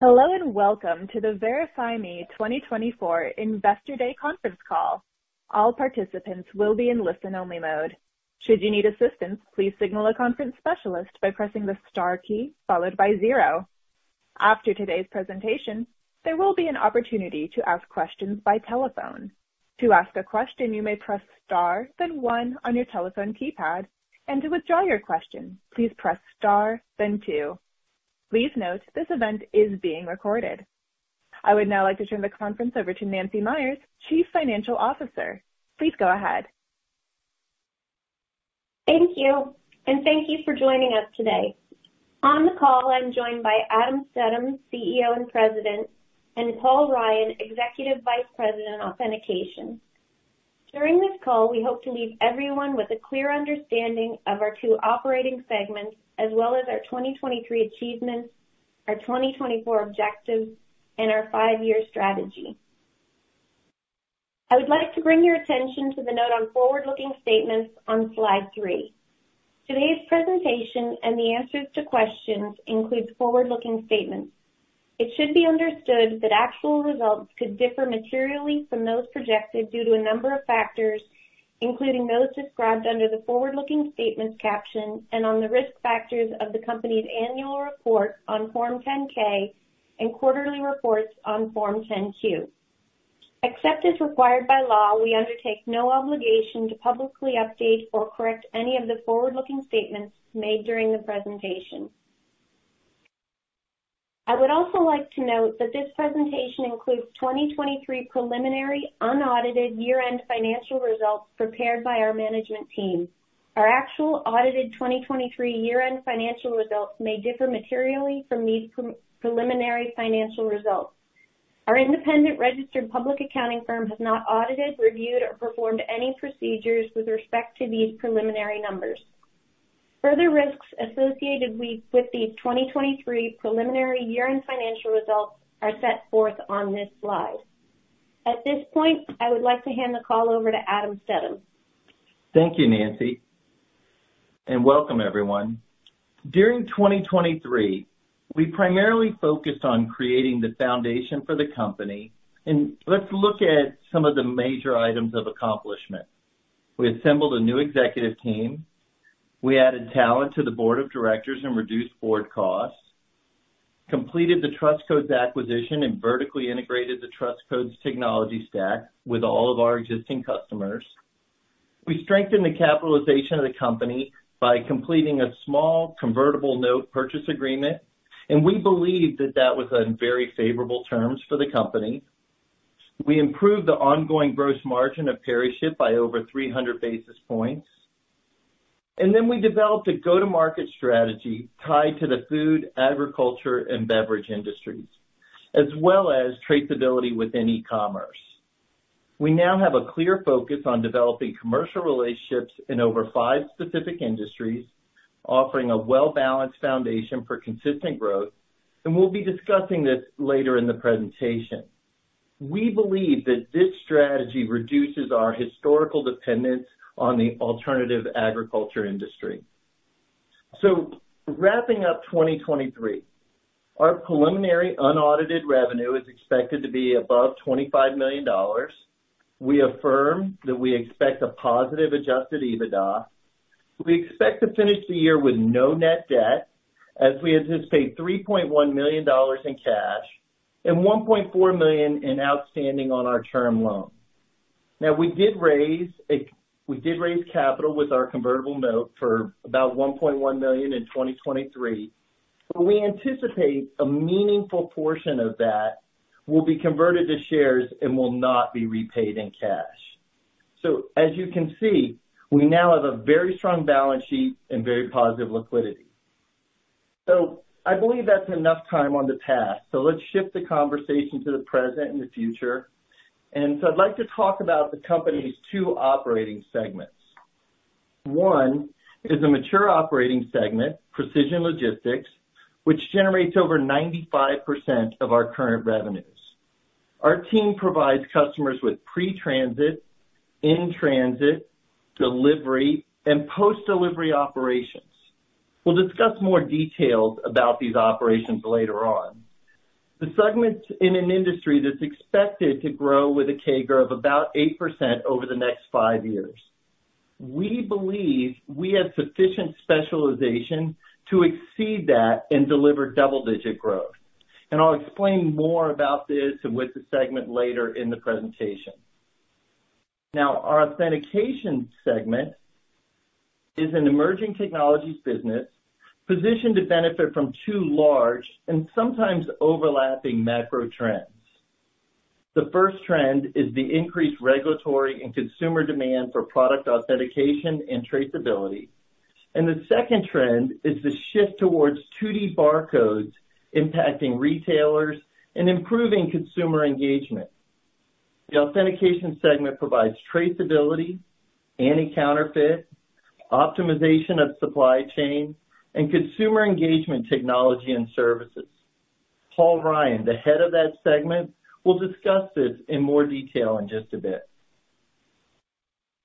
Hello, and welcome to the VerifyMe 2024 Investor Day conference call. All participants will be in listen-only mode. Should you need assistance, please signal a conference specialist by pressing the star key followed by 0. After today's presentation, there will be an opportunity to ask questions by telephone. To ask a question, you may press Star, then 1 on your telephone keypad, and to withdraw your question, please press Star then 2. Please note, this event is being recorded. I would now like to turn the conference over to Nancy Meyers, Chief Financial Officer. Please go ahead. Thank you, and thank you for joining us today. On the call, I'm joined by Adam Stedham, CEO and President, and Paul Ryan, Executive Vice President, Authentication. During this call, we hope to leave everyone with a clear understanding of our two operating segments, as well as our 2023 achievements, our 2024 objectives, and our five-year strategy. I would like to bring your attention to the note on forward-looking statements on slide 3. Today's presentation and the answers to questions include forward-looking statements. It should be understood that actual results could differ materially from those projected due to a number of factors, including those described under the forward-looking statements caption and on the risk factors of the company's annual report on Form 10-K and quarterly reports on Form 10-Q. Except as required by law, we undertake no obligation to publicly update or correct any of the forward-looking statements made during the presentation. I would also like to note that this presentation includes 2023 preliminary, unaudited year-end financial results prepared by our management team. Our actual audited 2023 year-end financial results may differ materially from these preliminary financial results. Our independent registered public accounting firm has not audited, reviewed, or performed any procedures with respect to these preliminary numbers. Further risks associated with these 2023 preliminary year-end financial results are set forth on this slide. At this point, I would like to hand the call over to Adam Stedham. Thank you, Nancy, and welcome everyone. During 2023, we primarily focused on creating the foundation for the company, and let's look at some of the major items of accomplishment. We assembled a new executive team. We added talent to the board of directors and reduced board costs, completed the Trust Codes acquisition, and vertically integrated the Trust Codes technology stack with all of our existing customers. We strengthened the capitalization of the company by completing a small convertible note purchase agreement, and we believe that that was on very favorable terms for the company. We improved the ongoing gross margin of PeriShip by over 300 basis points, and then we developed a go-to-market strategy tied to the food, agriculture, and beverage industries, as well as traceability within e-commerce. We now have a clear focus on developing commercial relationships in over five specific industries, offering a well-balanced foundation for consistent growth, and we'll be discussing this later in the presentation. We believe that this strategy reduces our historical dependence on the alternative agriculture industry. So wrapping up 2023, our preliminary unaudited revenue is expected to be above $25 million. We affirm that we expect a positive Adjusted EBITDA. We expect to finish the year with no net debt, as we anticipate $3.1 million in cash and $1.4 million in outstanding on our term loan. Now, we did raise capital with our convertible note for about $1.1 million in 2023, but we anticipate a meaningful portion of that will be converted to shares and will not be repaid in cash. So as you can see, we now have a very strong balance sheet and very positive liquidity. So I believe that's enough time on the past. So let's shift the conversation to the present and the future. And so I'd like to talk about the company's two operating segments. One is a mature operating segment, Precision Logistics, which generates over 95% of our current revenues. Our team provides customers with pre-transit, in-transit, delivery, and post-delivery operations. We'll discuss more details about these operations later on. The segment's in an industry that's expected to grow with a CAGR of about 8% over the next five years. We believe we have sufficient specialization to exceed that and deliver double-digit growth, and I'll explain more about this with the segment later in the presentation. Now, our Authentication segment is an emerging technologies business positioned to benefit from two large and sometimes overlapping macro trends. The first trend is the increased regulatory and consumer demand for product authentication and traceability. And the second trend is the shift towards 2D barcodes, impacting retailers and improving consumer engagement. The Authentication segment provides traceability, anti-counterfeit, optimization of supply chain, and consumer engagement technology and services. Paul Ryan, the head of that segment, will discuss this in more detail in just a bit.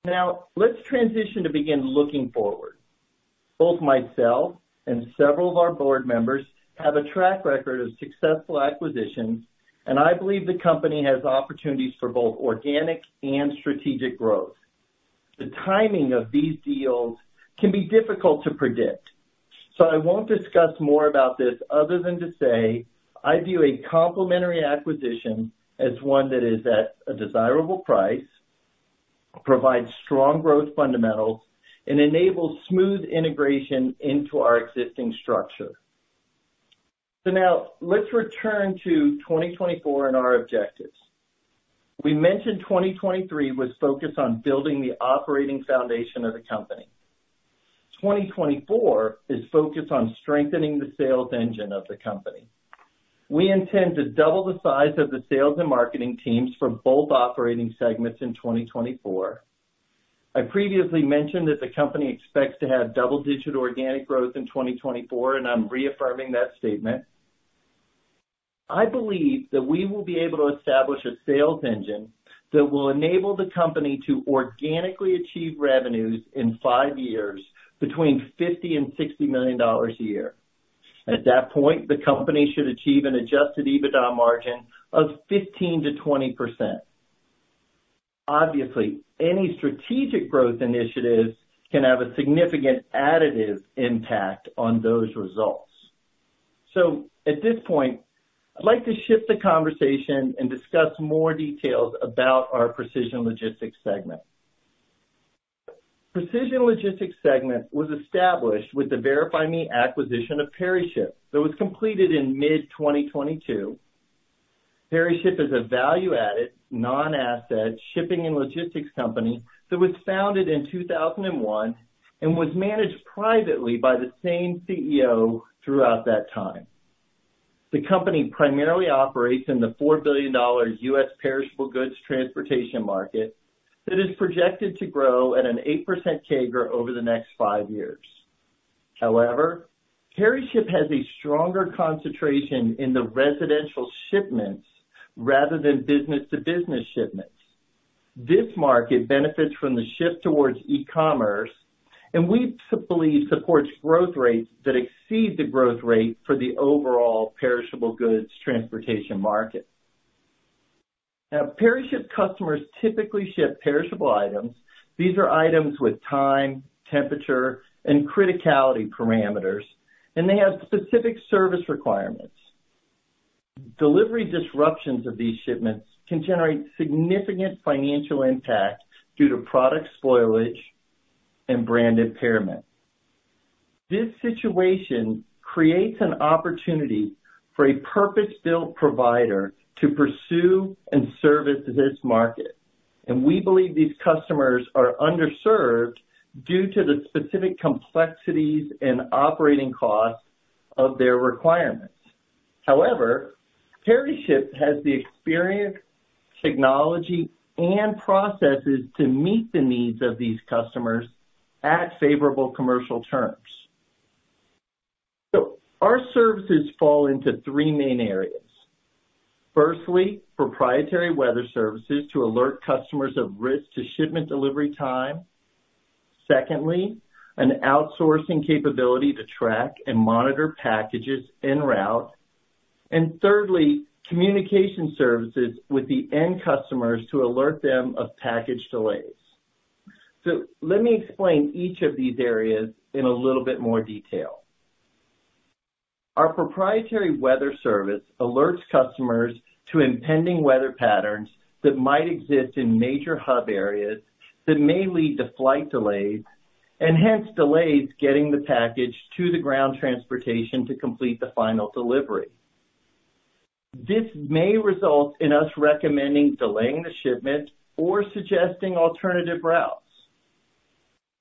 Now, let's transition to begin looking forward. Both myself and several of our board members have a track record of successful acquisitions, and I believe the company has opportunities for both organic and strategic growth. The timing of these deals can be difficult to predict, so I won't discuss more about this other than to say, I view a complementary acquisition as one that is at a desirable price, provides strong growth fundamentals, and enables smooth integration into our existing structure. Now let's return to 2024 and our objectives. We mentioned 2023 was focused on building the operating foundation of the company. 2024 is focused on strengthening the sales engine of the company. We intend to double the size of the sales and marketing teams for both operating segments in 2024. I previously mentioned that the company expects to have double-digit organic growth in 2024, and I'm reaffirming that statement. I believe that we will be able to establish a sales engine that will enable the company to organically achieve revenues in 5 years between $50 million and $60 million a year. At that point, the company should achieve an adjusted EBITDA margin of 15%-20%. Obviously, any strategic growth initiatives can have a significant additive impact on those results. So at this point, I'd like to shift the conversation and discuss more details about our Precision Logistics segment. Precision Logistics segment was established with the VerifyMe acquisition of PeriShip, that was completed in mid-2022. PeriShip is a value-added, non-asset shipping and logistics company that was founded in 2001 and was managed privately by the same CEO throughout that time. The company primarily operates in the $4 billion US perishable goods transportation market, that is projected to grow at an 8% CAGR over the next 5 years. However, PeriShip has a stronger concentration in the residential shipments rather than business-to-business shipments. This market benefits from the shift towards e-commerce, and we believe supports growth rates that exceed the growth rate for the overall perishable goods transportation market. Now, PeriShip customers typically ship perishable items. These are items with time, temperature, and criticality parameters, and they have specific service requirements. Delivery disruptions of these shipments can generate significant financial impact due to product spoilage and brand impairment. This situation creates an opportunity for a purpose-built provider to pursue and service this market, and we believe these customers are underserved due to the specific complexities and operating costs of their requirements. However, PeriShip has the experience, technology, and processes to meet the needs of these customers at favorable commercial terms. So our services fall into three main areas. Firstly, proprietary weather services to alert customers of risks to shipment delivery time. Secondly, an outsourcing capability to track and monitor packages en route. And thirdly, communication services with the end customers to alert them of package delays. So let me explain each of these areas in a little bit more detail. Our proprietary weather service alerts customers to impending weather patterns that might exist in major hub areas, that may lead to flight delays and hence delays getting the package to the ground transportation to complete the final delivery. This may result in us recommending delaying the shipment or suggesting alternative routes.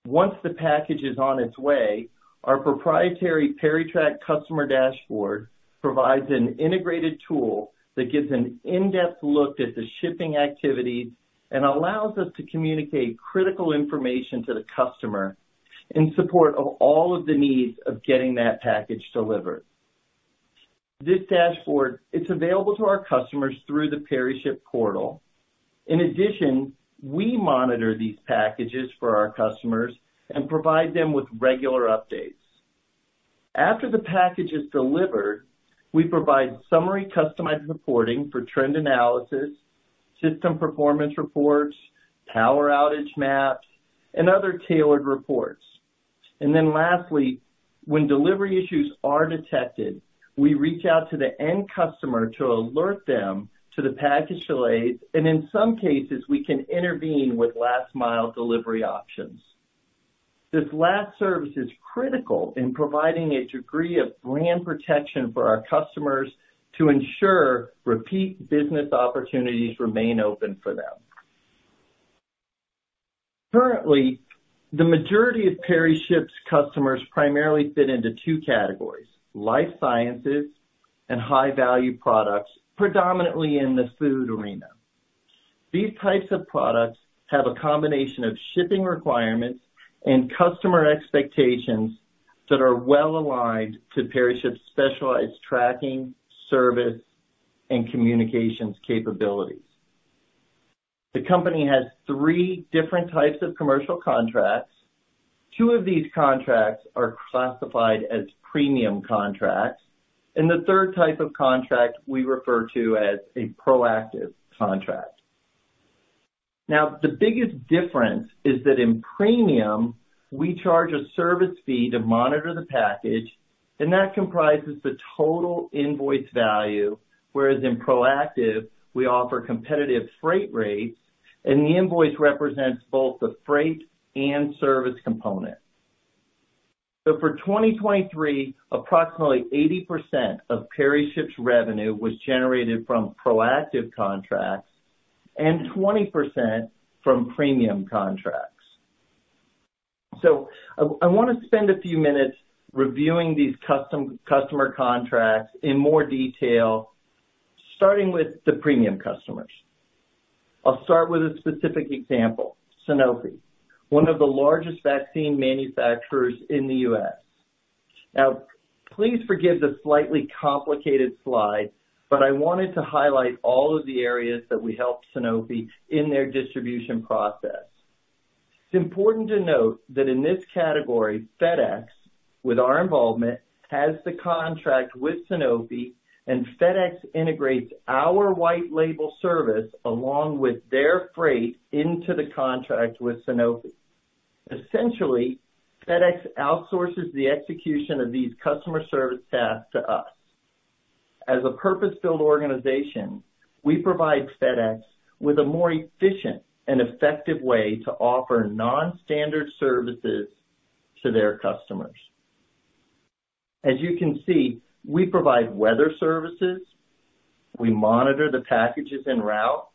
Once the package is on its way, our proprietary PeriTrack customer dashboard provides an integrated tool that gives an in-depth look at the shipping activities and allows us to communicate critical information to the customer in support of all of the needs of getting that package delivered. This dashboard, it's available to our customers through the PeriShip portal. In addition, we monitor these packages for our customers and provide them with regular updates. After the package is delivered, we provide summary customized reporting for trend analysis, system performance reports, power outage maps, and other tailored reports. And then lastly, when delivery issues are detected, we reach out to the end customer to alert them to the package delays, and in some cases, we can intervene with last mile delivery options. This last service is critical in providing a degree of brand protection for our customers to ensure repeat business opportunities remain open for them. Currently, the majority of PeriShip's customers primarily fit into two categories: life sciences and high-value products, predominantly in the food arena. These types of products have a combination of shipping requirements and customer expectations that are well aligned to PeriShip's specialized tracking, service, and communications capabilities. The company has three different types of commercial contracts. Two of these contracts are classified as Premium contracts, and the third type of contract we refer to as a Proactive contract. Now, the biggest difference is that in Premium, we charge a service fee to monitor the package, and that comprises the total invoice value, whereas in Proactive, we offer competitive freight rates, and the invoice represents both the freight and service component. For 2023, approximately 80% of PeriShip's revenue was generated from Proactive contracts and 20% from Premium contracts. I want to spend a few minutes reviewing these customer contracts in more detail, starting with the Premium customers. I'll start with a specific example, Sanofi, one of the largest vaccine manufacturers in the U.S. Now, please forgive the slightly complicated slide, but I wanted to highlight all of the areas that we help Sanofi in their distribution process. It's important to note that in this category, FedEx, with our involvement, has the contract with Sanofi, and FedEx integrates our white label service along with their freight into the contract with Sanofi. Essentially, FedEx outsources the execution of these customer service tasks to us. As a purpose-built organization, we provide FedEx with a more efficient and effective way to offer non-standard services to their customers. As you can see, we provide weather services, we monitor the packages en route,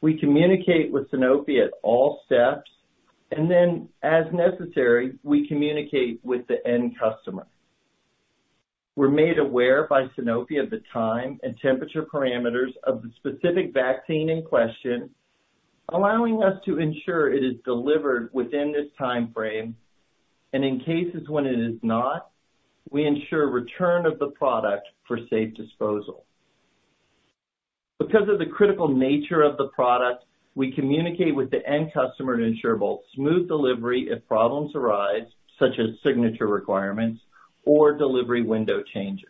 we communicate with Sanofi at all steps, and then, as necessary, we communicate with the end customer. We're made aware by Sanofi of the time and temperature parameters of the specific vaccine in question, allowing us to ensure it is delivered within this time frame, and in cases when it is not, we ensure return of the product for safe disposal. Because of the critical nature of the product, we communicate with the end customer to ensure both smooth delivery if problems arise, such as signature requirements or delivery window changes.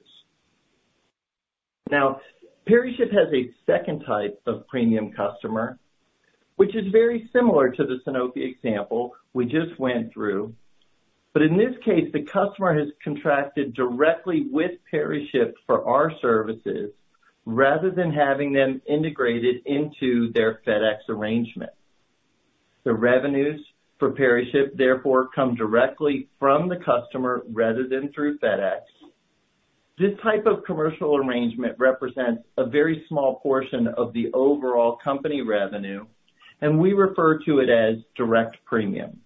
Now, PeriShip has a second type of Premium customer, which is very similar to the Sanofi example we just went through. But in this case, the customer has contracted directly with PeriShip for our services rather than having them integrated into their FedEx arrangement. The revenues for PeriShip, therefore, come directly from the customer rather than through FedEx. This type of commercial arrangement represents a very small portion of the overall company revenue, and we refer to it as direct Premium.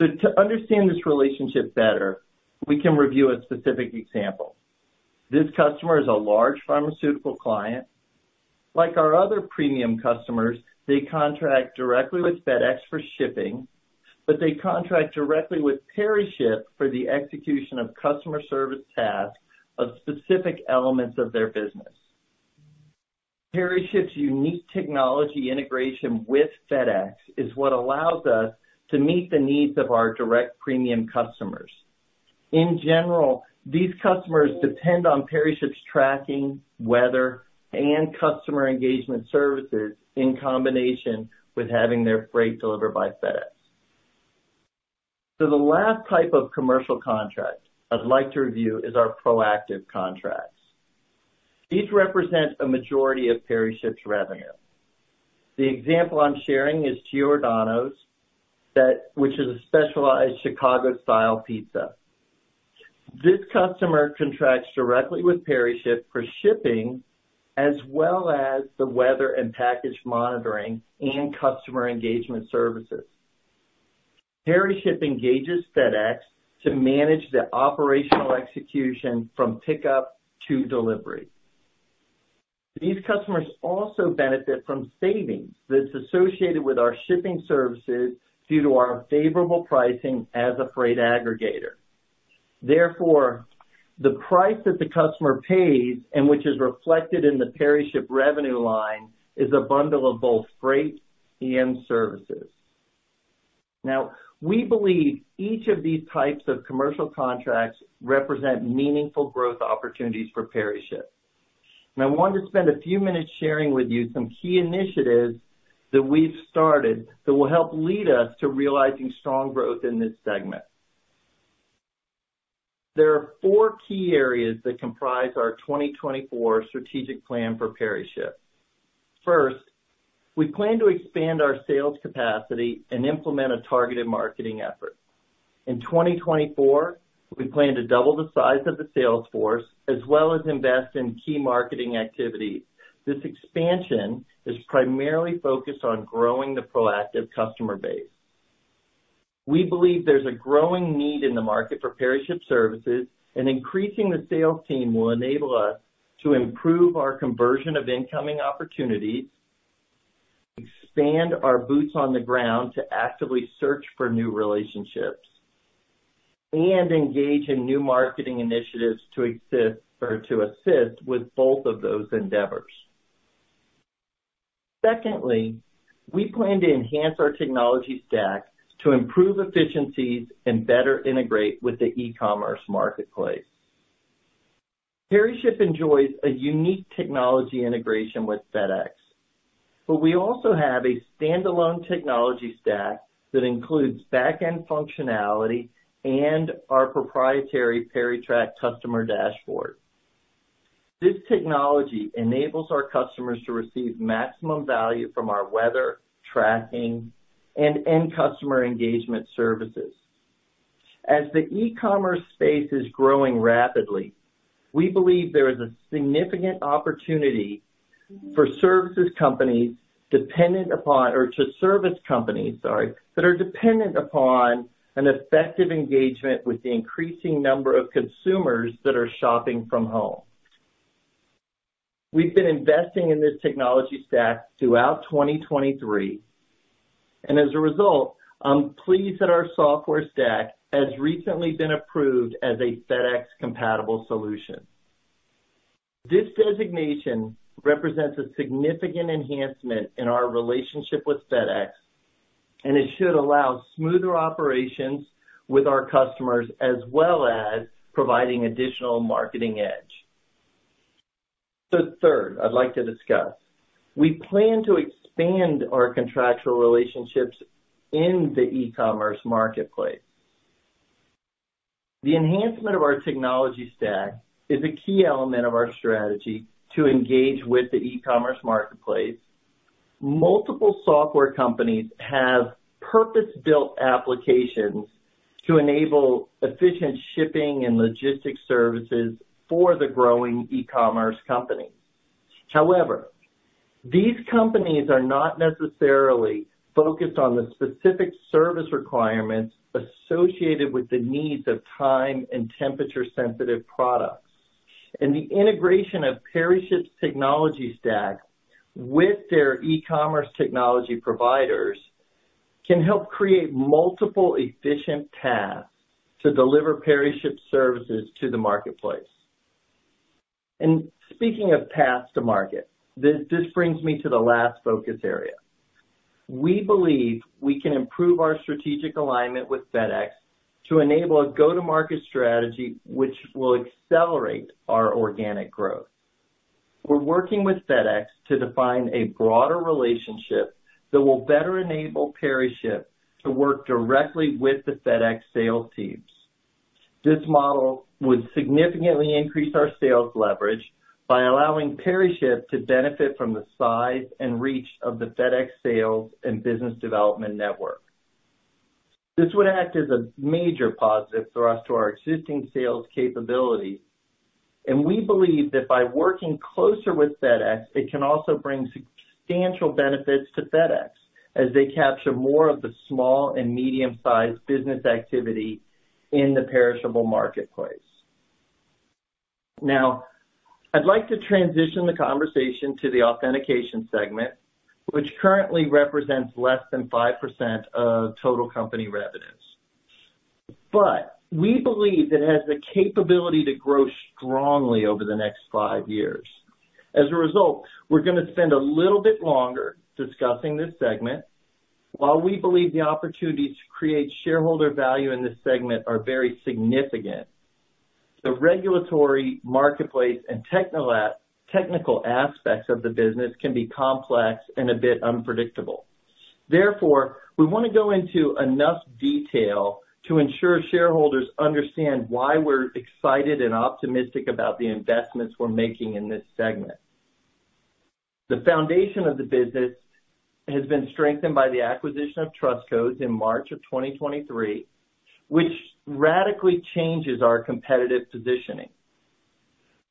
So to understand this relationship better, we can review a specific example. This customer is a large pharmaceutical client. Like our other Premium customers, they contract directly with FedEx for shipping, but they contract directly with PeriShip for the execution of customer service tasks of specific elements of their business. PeriShip's unique technology integration with FedEx is what allows us to meet the needs of our direct Premium customers. In general, these customers depend on PeriShip's tracking, weather, and customer engagement services in combination with having their freight delivered by FedEx. So the last type of commercial contract I'd like to review is our Proactive contracts. These represent a majority of PeriShip's revenue. The example I'm sharing is Giordano's, which is a specialized Chicago-style pizza. This customer contracts directly with PeriShip for shipping, as well as the weather and package monitoring and customer engagement services. PeriShip engages FedEx to manage the operational execution from pickup to delivery. These customers also benefit from savings that's associated with our shipping services due to our favorable pricing as a freight aggregator. Therefore, the price that the customer pays, and which is reflected in the PeriShip revenue line, is a bundle of both freight and services. Now, we believe each of these types of commercial contracts represent meaningful growth opportunities for PeriShip. And I want to spend a few minutes sharing with you some key initiatives that we've started that will help lead us to realizing strong growth in this segment. There are four key areas that comprise our 2024 strategic plan for PeriShip. First, we plan to expand our sales capacity and implement a targeted marketing effort. In 2024, we plan to double the size of the sales force, as well as invest in key marketing activities. This expansion is primarily focused on growing the Proactive customer base. We believe there's a growing need in the market for PeriShip services, and increasing the sales team will enable us to improve our conversion of incoming opportunities, expand our boots on the ground to actively search for new relationships... and engage in new marketing initiatives to exist or to assist with both of those endeavors. Secondly, we plan to enhance our technology stack to improve efficiencies and better integrate with the e-commerce marketplace. PeriShip enjoys a unique technology integration with FedEx, but we also have a standalone technology stack that includes back-end functionality and our proprietary PeriTrack customer dashboard. This technology enables our customers to receive maximum value from our weather, tracking, and end customer engagement services. As the e-commerce space is growing rapidly, we believe there is a significant opportunity for services companies dependent upon, or to service companies, sorry, that are dependent upon an effective engagement with the increasing number of consumers that are shopping from home. We've been investing in this technology stack throughout 2023, and as a result, I'm pleased that our software stack has recently been approved as a FedEx compatible solution. This designation represents a significant enhancement in our relationship with FedEx, and it should allow smoother operations with our customers, as well as providing additional marketing edge. So third, I'd like to discuss. We plan to expand our contractual relationships in the e-commerce marketplace. The enhancement of our technology stack is a key element of our strategy to engage with the e-commerce marketplace. Multiple software companies have purpose-built applications to enable efficient shipping and logistics services for the growing e-commerce company. However, these companies are not necessarily focused on the specific service requirements associated with the needs of time and temperature-sensitive products. And the integration of PeriShip's technology stack with their e-commerce technology providers can help create multiple efficient paths to deliver PeriShip services to the marketplace. And speaking of paths to market, this brings me to the last focus area. We believe we can improve our strategic alignment with FedEx to enable a go-to-market strategy, which will accelerate our organic growth. We're working with FedEx to define a broader relationship that will better enable PeriShip to work directly with the FedEx sales teams. This model would significantly increase our sales leverage by allowing PeriShip to benefit from the size and reach of the FedEx sales and business development network. This would act as a major positive thrust to our existing sales capabilities, and we believe that by working closer with FedEx, it can also bring substantial benefits to FedEx as they capture more of the small and medium-sized business activity in the perishable marketplace. Now, I'd like to transition the conversation to the Authentication segment, which currently represents less than 5% of total company revenues. But we believe it has the capability to grow strongly over the next 5 years. As a result, we're gonna spend a little bit longer discussing this segment. While we believe the opportunity to create shareholder value in this segment are very significant, the regulatory marketplace and technical aspects of the business can be complex and a bit unpredictable. Therefore, we want to go into enough detail to ensure shareholders understand why we're excited and optimistic about the investments we're making in this segment. The foundation of the business has been strengthened by the acquisition of Trust Codes in March 2023, which radically changes our competitive positioning.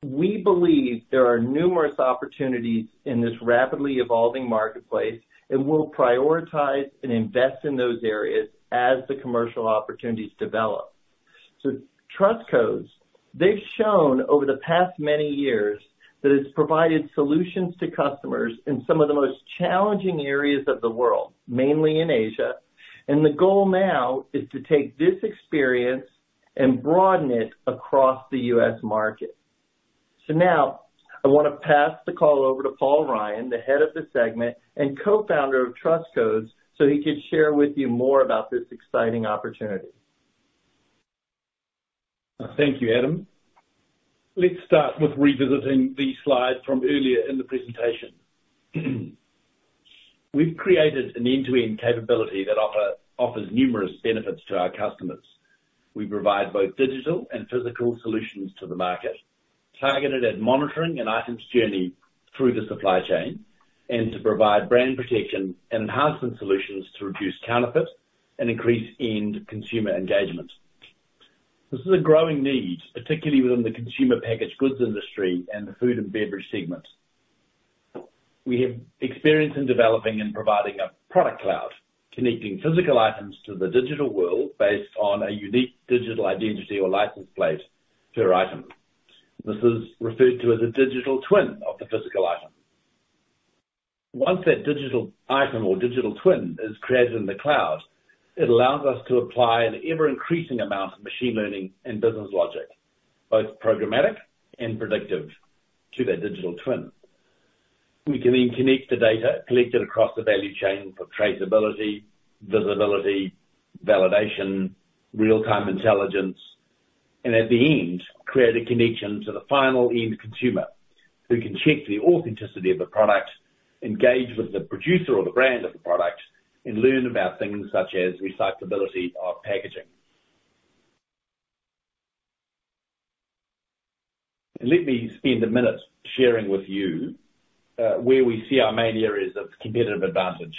We believe there are numerous opportunities in this rapidly evolving marketplace, and we'll prioritize and invest in those areas as the commercial opportunities develop. Trust Codes, they've shown over the past many years that it's provided solutions to customers in some of the most challenging areas of the world, mainly in Asia. The goal now is to take this experience and broaden it across the U.S. market. Now, I want to pass the call over to Paul Ryan, the head of the segment and co-founder of Trust Codes, so he could share with you more about this exciting opportunity. Thank you, Adam. Let's start with revisiting the slide from earlier in the presentation. We've created an end-to-end capability that offers numerous benefits to our customers. We provide both digital and physical solutions to the market, targeted at monitoring an item's journey through the supply chain, and to provide brand protection and enhancement solutions to reduce counterfeit and increase end consumer engagement. This is a growing need, particularly within the consumer packaged goods industry and the food and beverage segment. We have experience in developing and providing a product cloud, connecting physical items to the digital world based on a unique digital identity or license plate per item. This is referred to as a digital twin of the physical item. Once that digital item or digital twin is created in the cloud, it allows us to apply an ever-increasing amount of machine learning and business logic, both programmatic and predictive, to that digital twin. We can then connect the data collected across the value chain for traceability, visibility, validation, real-time intelligence, and at the end, create a connection to the final end consumer, who can check the authenticity of the product, engage with the producer or the brand of the product, and learn about things such as recyclability of packaging. Let me spend a minute sharing with you, where we see our main areas of competitive advantage.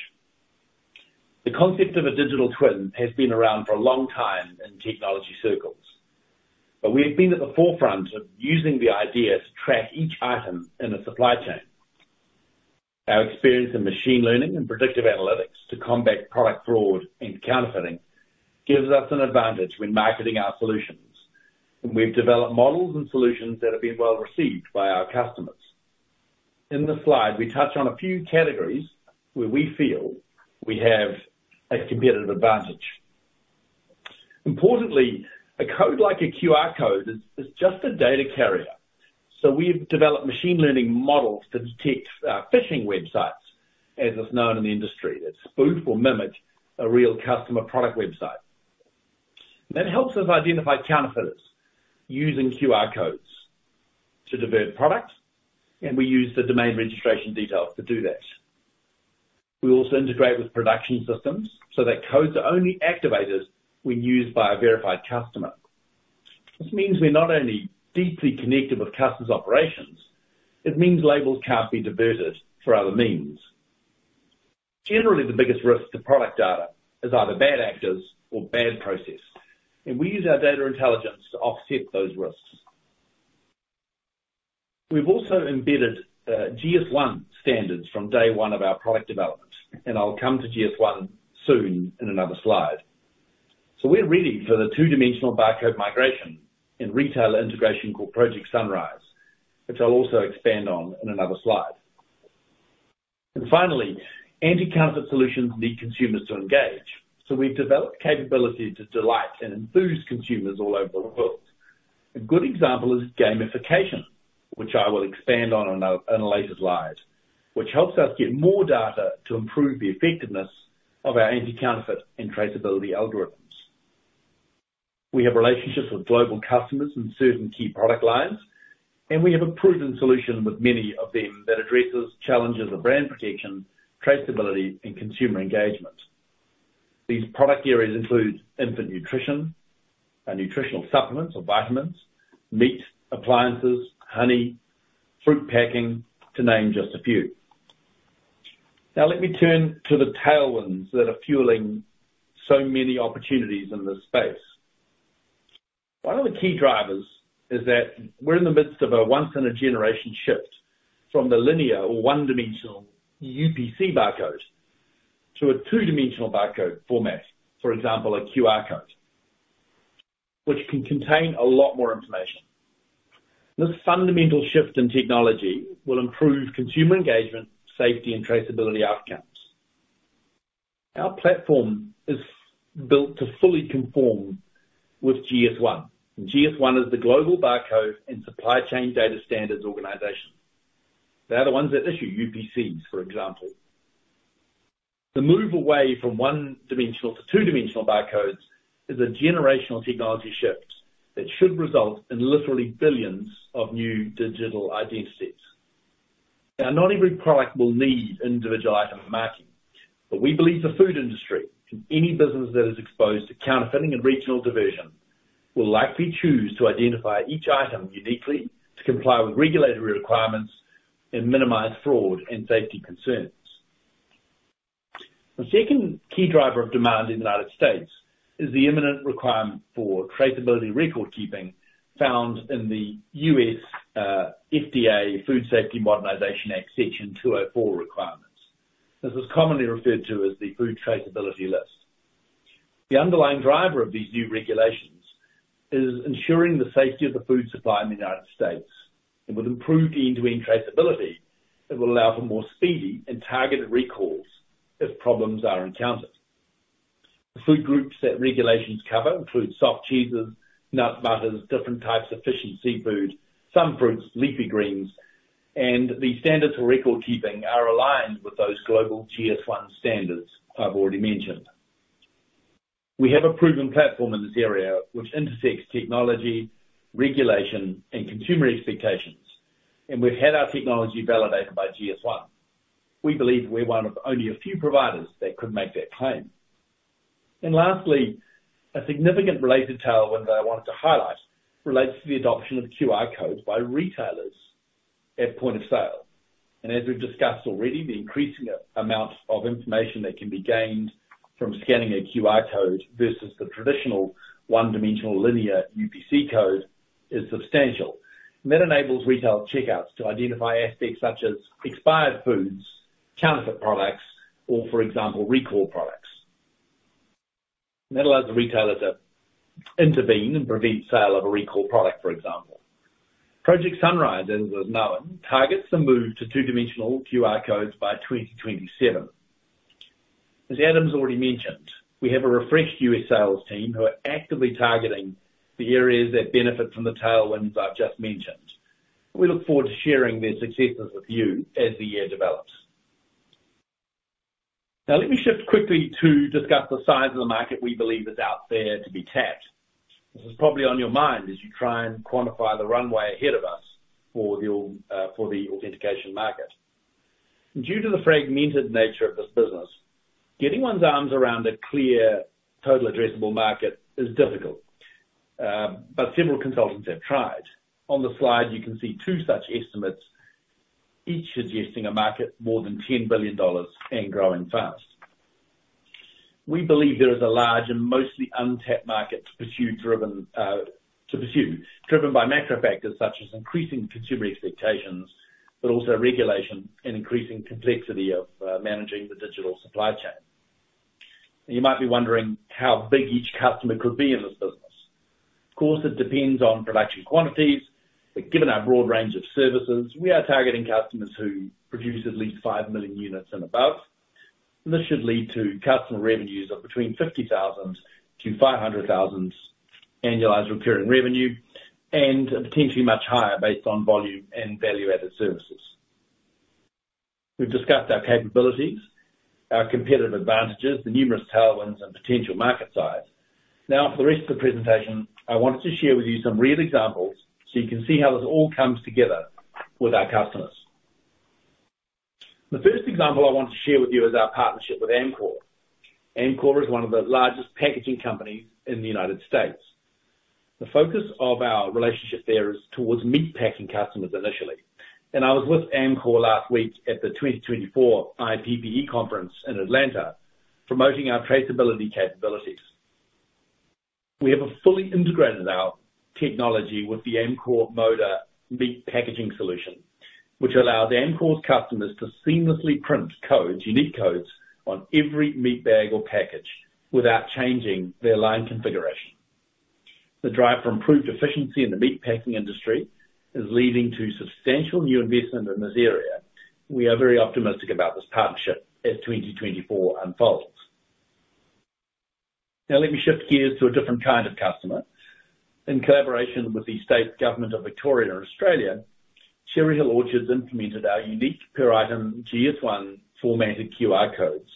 The concept of a digital twin has been around for a long time in technology circles, but we've been at the forefront of using the idea to track each item in a supply chain. Our experience in machine learning and predictive analytics to combat product fraud and counterfeiting gives us an advantage when marketing our solutions, and we've developed models and solutions that have been well received by our customers. In this slide, we touch on a few categories where we feel we have a competitive advantage. Importantly, a code like a QR code is just a data carrier, so we've developed machine learning models to detect phishing websites, as it's known in the industry. It spoofs or mimics a real customer product website. That helps us identify counterfeiters using QR codes to divert product, and we use the domain registration details to do that. We also integrate with production systems so that codes are only activated when used by a verified customer. This means we're not only deeply connected with customers' operations, it means labels can't be diverted through other means. Generally, the biggest risk to product data is either bad actors or bad process, and we use our data intelligence to offset those risks. We've also embedded GS1 standards from day one of our product development, and I'll come to GS1 soon in another slide. So we're ready for the two-dimensional barcode migration and retailer integration called Project Sunrise, which I'll also expand on in another slide. And finally, anti-counterfeit solutions need consumers to engage, so we've developed capability to delight and enthuse consumers all over the world. A good example is gamification, which I will expand on in a later slide, which helps us get more data to improve the effectiveness of our anti-counterfeit and traceability algorithms. We have relationships with global customers in certain key product lines, and we have a proven solution with many of them that addresses challenges of brand protection, traceability, and consumer engagement. These product areas include infant nutrition, nutritional supplements or vitamins, meat, appliances, honey, fruit packing, to name just a few. Now let me turn to the tailwinds that are fueling so many opportunities in this space. One of the key drivers is that we're in the midst of a once-in-a-generation shift from the linear or one-dimensional UPC barcode, to a two-dimensional barcode format, for example, a QR Code, which can contain a lot more information. This fundamental shift in technology will improve consumer engagement, safety, and traceability outcomes. Our platform is built to fully conform with GS1, and GS1 is the global barcode and supply chain data standards organization. They are the ones that issue UPCs, for example. The move away from one-dimensional to two-dimensional barcodes is a generational technology shift that should result in literally billions of new digital identity sets. Now, not every product will need individual item marking, but we believe the food industry and any business that is exposed to counterfeiting and regional division will likely choose to identify each item uniquely to comply with regulatory requirements and minimize fraud and safety concerns. The second key driver of demand in the United States is the imminent requirement for traceability recordkeeping found in the U.S. FDA Food Safety Modernization Act, Section 204 requirements. This is commonly referred to as the Food Traceability List. The underlying driver of these new regulations is ensuring the safety of the food supply in the United States, and with improved end-to-end traceability, it will allow for more speedy and targeted recalls if problems are encountered. The food groups that regulations cover include soft cheeses, nut butters, different types of fish and seafood, some fruits, leafy greens, and the standards for recordkeeping are aligned with those global GS1 standards I've already mentioned. We have a proven platform in this area which intersects technology, regulation, and consumer expectations, and we've had our technology validated by GS1. We believe we're one of only a few providers that could make that claim. Lastly, a significant related tailwind that I wanted to highlight relates to the adoption of QR codes by retailers at point of sale. As we've discussed already, the increasing amounts of information that can be gained from scanning a QR code versus the traditional one-dimensional linear UPC code is substantial. That enables retail checkouts to identify aspects such as expired foods, counterfeit products, or, for example, recall products. That allows the retailer to intervene and prevent sale of a recall product, for example. Project Sunrise, as it's known, targets the move to two-dimensional QR codes by 2027. As Adam's already mentioned, we have a refreshed U.S. sales team who are actively targeting the areas that benefit from the tailwinds I've just mentioned. We look forward to sharing their successes with you as the year develops. Now, let me shift quickly to discuss the size of the market we believe is out there to be tapped. This is probably on your mind as you try and quantify the runway ahead of us for the authentication market. Due to the fragmented nature of this business, getting one's arms around a clear, total addressable market is difficult, but several consultants have tried. On the slide, you can see two such estimates, each suggesting a market more than $10 billion and growing fast. We believe there is a large and mostly untapped market to pursue driven by macro factors such as increasing consumer expectations, but also regulation and increasing complexity of managing the digital supply chain. You might be wondering how big each customer could be in this business. Of course, it depends on production quantities, but given our broad range of services, we are targeting customers who produce at least 5 million units and above. This should lead to customer revenues of between $50,000-$500,000 annualized recurring revenue, and potentially much higher based on volume and value-added services. We've discussed our capabilities, our competitive advantages, the numerous tailwinds and potential market size. Now, for the rest of the presentation, I wanted to share with you some real examples so you can see how this all comes together with our customers. The first example I want to share with you is our partnership with Amcor. Amcor is one of the largest packaging companies in the United States. The focus of our relationship there is towards meatpacking customers initially, and I was with Amcor last week at the 2024 IPPE Conference in Atlanta, promoting our traceability capabilities. We have fully integrated our technology with the Amcor Moda meat packaging solution, which allows Amcor's customers to seamlessly print codes, unique codes, on every meat bag or package without changing their line configuration. The drive for improved efficiency in the meatpacking industry is leading to substantial new investment in this area. We are very optimistic about this partnership as 2024 unfolds. Now, let me shift gears to a different kind of customer. In collaboration with the state government of Victoria, Australia, CherryHill Orchards implemented our unique per item GS1 formatted QR codes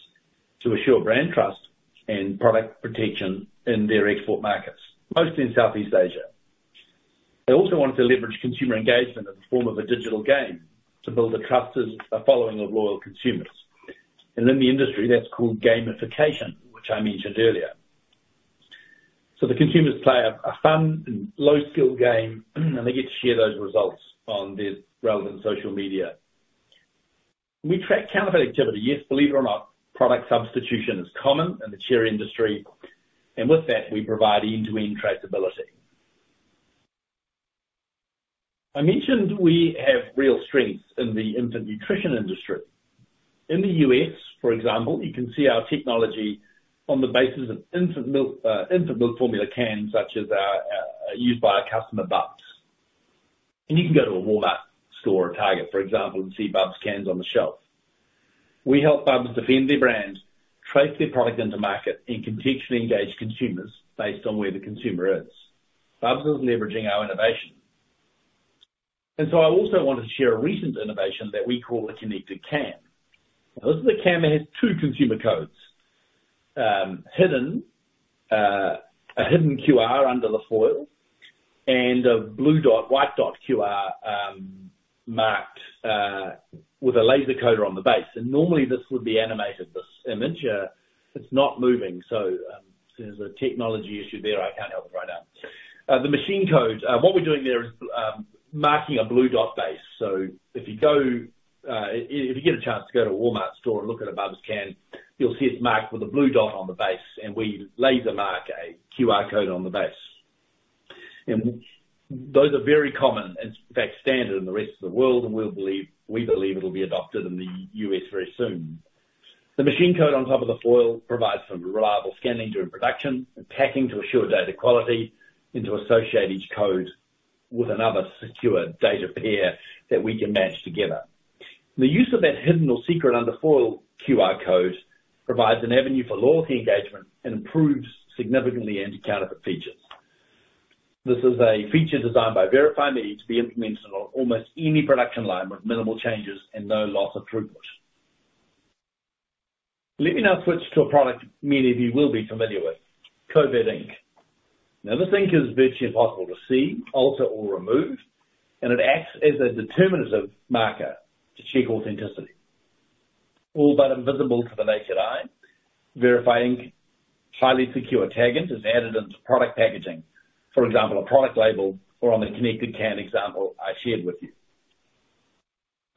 to assure brand trust and product protection in their export markets, mostly in Southeast Asia. They also wanted to leverage consumer engagement in the form of a digital game to build a trusted following of loyal consumers. And in the industry, that's called gamification, which I mentioned earlier. So the consumers play a fun and low-skill game, and they get to share those results on their relevant social media. We track counterfeit activity. Yes, believe it or not, product substitution is common in the cherry industry, and with that, we provide end-to-end traceability. I mentioned we have real strength in the infant nutrition industry. In the US, for example, you can see our technology on the bases of infant milk, infant milk formula cans, such as, used by our customer, Bubs. And you can go to a Walmart store or Target, for example, and see Bubs cans on the shelf. We help Bubs defend their brand, trace their product into market, and contextually engage consumers based on where the consumer is. Bubs is leveraging our innovation. And so I also wanted to share a recent innovation that we call the Connected Can. Now, this is a can that has two consumer codes, hidden, a hidden QR under the foil and a blue dot, white dot QR, marked, with a laser coder on the base. And normally this would be animated, this image. It's not moving, so, there's a technology issue there. I can't help it right now. The machine code, what we're doing there is, marking a blue dot base. So if you go, if you get a chance to go to a Walmart store and look at a Bubs can, you'll see it's marked with a blue dot on the base, and we laser mark a QR code on the base. And those are very common, in fact, standard in the rest of the world, and we'll believe -- we believe it'll be adopted in the U.S. very soon. The machine code on top of the foil provides for reliable scanning during production and packing to assure data quality, and to associate each code with another secure data pair that we can match together. The use of that hidden or secret under foil QR code provides an avenue for loyalty engagement and improves significantly anti-counterfeit features. This is a feature designed by VerifyMe needed to be implemented on almost any production line with minimal changes and no loss of throughput. Let me now switch to a product many of you will be familiar with: covert ink. Now, this ink is virtually impossible to see, alter, or remove, and it acts as a determinative marker to check authenticity. All but invisible to the naked eye, VerifyMe Ink, highly secure taggant, is added into product packaging, for example, a product label or on the Connected Can example I shared with you.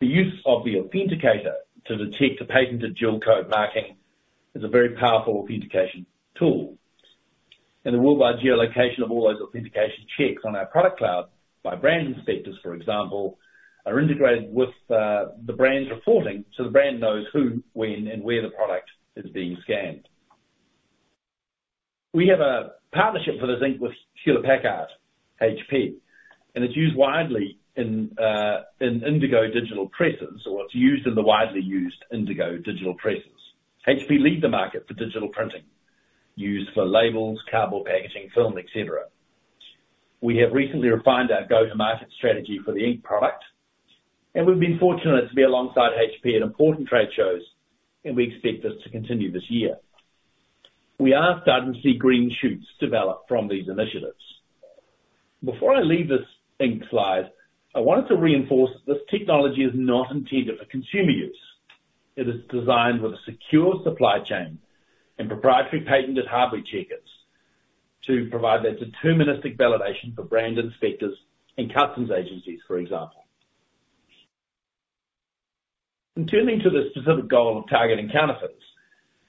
The use of the authenticator to detect a patented dual code marking is a very powerful authentication tool.... and the worldwide geolocation of all those authentication checks on our product cloud by brand inspectors, for example, are integrated with the brand's reporting, so the brand knows who, when, and where the product is being scanned. We have a partnership for this ink with Hewlett-Packard, HP, and it's used widely in Indigo Digital Presses, or it's used in the widely used Indigo Digital Presses. HP lead the market for digital printing, used for labels, cardboard, packaging, film, et cetera. We have recently refined our go-to-market strategy for the ink product, and we've been fortunate to be alongside HP at important trade shows, and we expect this to continue this year. We are starting to see green shoots develop from these initiatives. Before I leave this ink slide, I wanted to reinforce that this technology is not intended for consumer use. It is designed with a secure supply chain and proprietary patented hardware checkers to provide that deterministic validation for brand inspectors and customs agencies, for example. Turning to the specific goal of targeting counterfeits,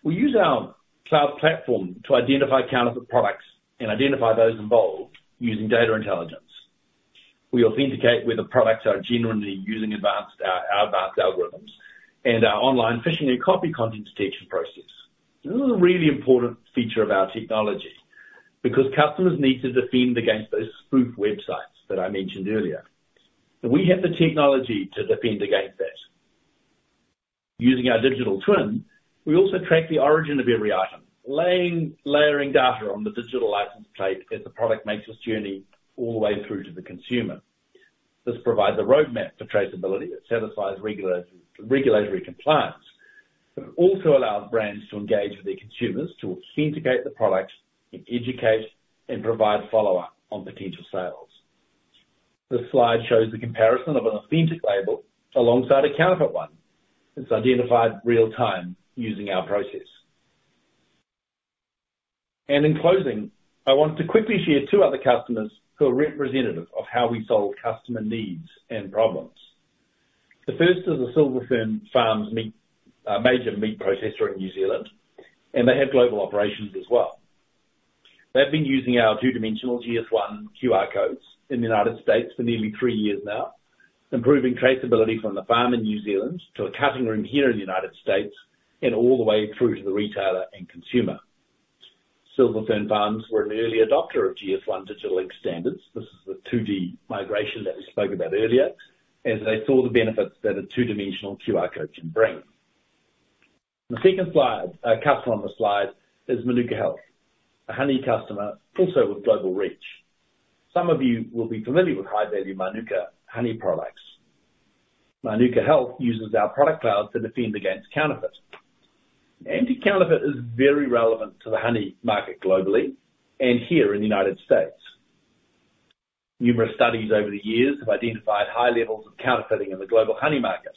we use our cloud platform to identify counterfeit products and identify those involved using data intelligence. We authenticate whether products are genuine using advanced, our advanced algorithms and our online phishing and copy content detection process. This is a really important feature of our technology because customers need to defend against those spoof websites that I mentioned earlier, and we have the technology to defend against that. Using our digital twin, we also track the origin of every item, laying, layering data on the digital license plate as the product makes its journey all the way through to the consumer. This provides a roadmap for traceability that satisfies regulatory compliance, but it also allows brands to engage with their consumers to authenticate the product and educate and provide follow-up on potential sales. This slide shows the comparison of an authentic label alongside a counterfeit one. It's identified real time using our process. In closing, I want to quickly share two other customers who are representative of how we solve customer needs and problems. The first is the Silver Fern Farms meat, major meat processor in New Zealand, and they have global operations as well. They've been using our two-dimensional GS1 QR codes in the United States for nearly three years now, improving traceability from the farm in New Zealand to a cutting room here in the United States, and all the way through to the retailer and consumer. Silver Fern Farms were an early adopter of GS1 Digital Link standards. This is the 2D migration that we spoke about earlier, as they saw the benefits that a two-dimensional QR code can bring. The second slide, customer on the slide is Manuka Health, a honey customer also with global reach. Some of you will be familiar with high-value Manuka honey products. Manuka Health uses our product cloud to defend against counterfeit. Anti-counterfeit is very relevant to the honey market globally and here in the United States. Numerous studies over the years have identified high levels of counterfeiting in the global honey market,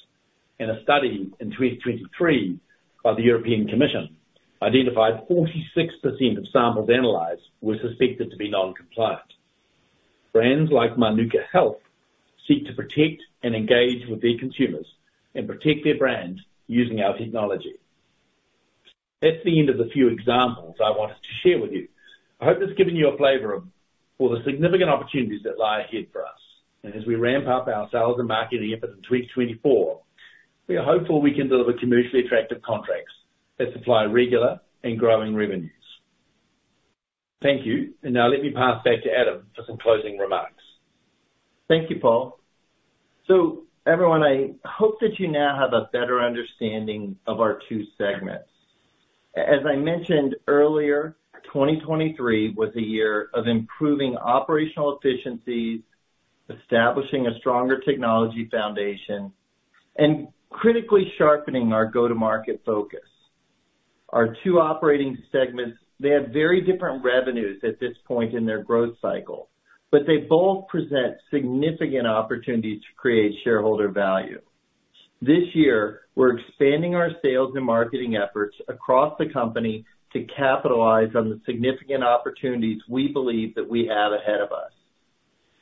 and a study in 2023 by the European Commission identified 46% of samples analyzed were suspected to be non-compliant. Brands like Manuka Health seek to protect and engage with their consumers and protect their brand using our technology. That's the end of the few examples I wanted to share with you. I hope it's given you a flavor of all the significant opportunities that lie ahead for us, and as we ramp up our sales and marketing efforts in 2024, we are hopeful we can deliver commercially attractive contracts that supply regular and growing revenues. Thank you, and now let me pass back to Adam for some closing remarks. Thank you, Paul. So everyone, I hope that you now have a better understanding of our two segments. As I mentioned earlier, 2023 was a year of improving operational efficiencies, establishing a stronger technology foundation, and critically sharpening our go-to-market focus. Our two operating segments, they have very different revenues at this point in their growth cycle, but they both present significant opportunity to create shareholder value. This year, we're expanding our sales and marketing efforts across the company to capitalize on the significant opportunities we believe that we have ahead of us.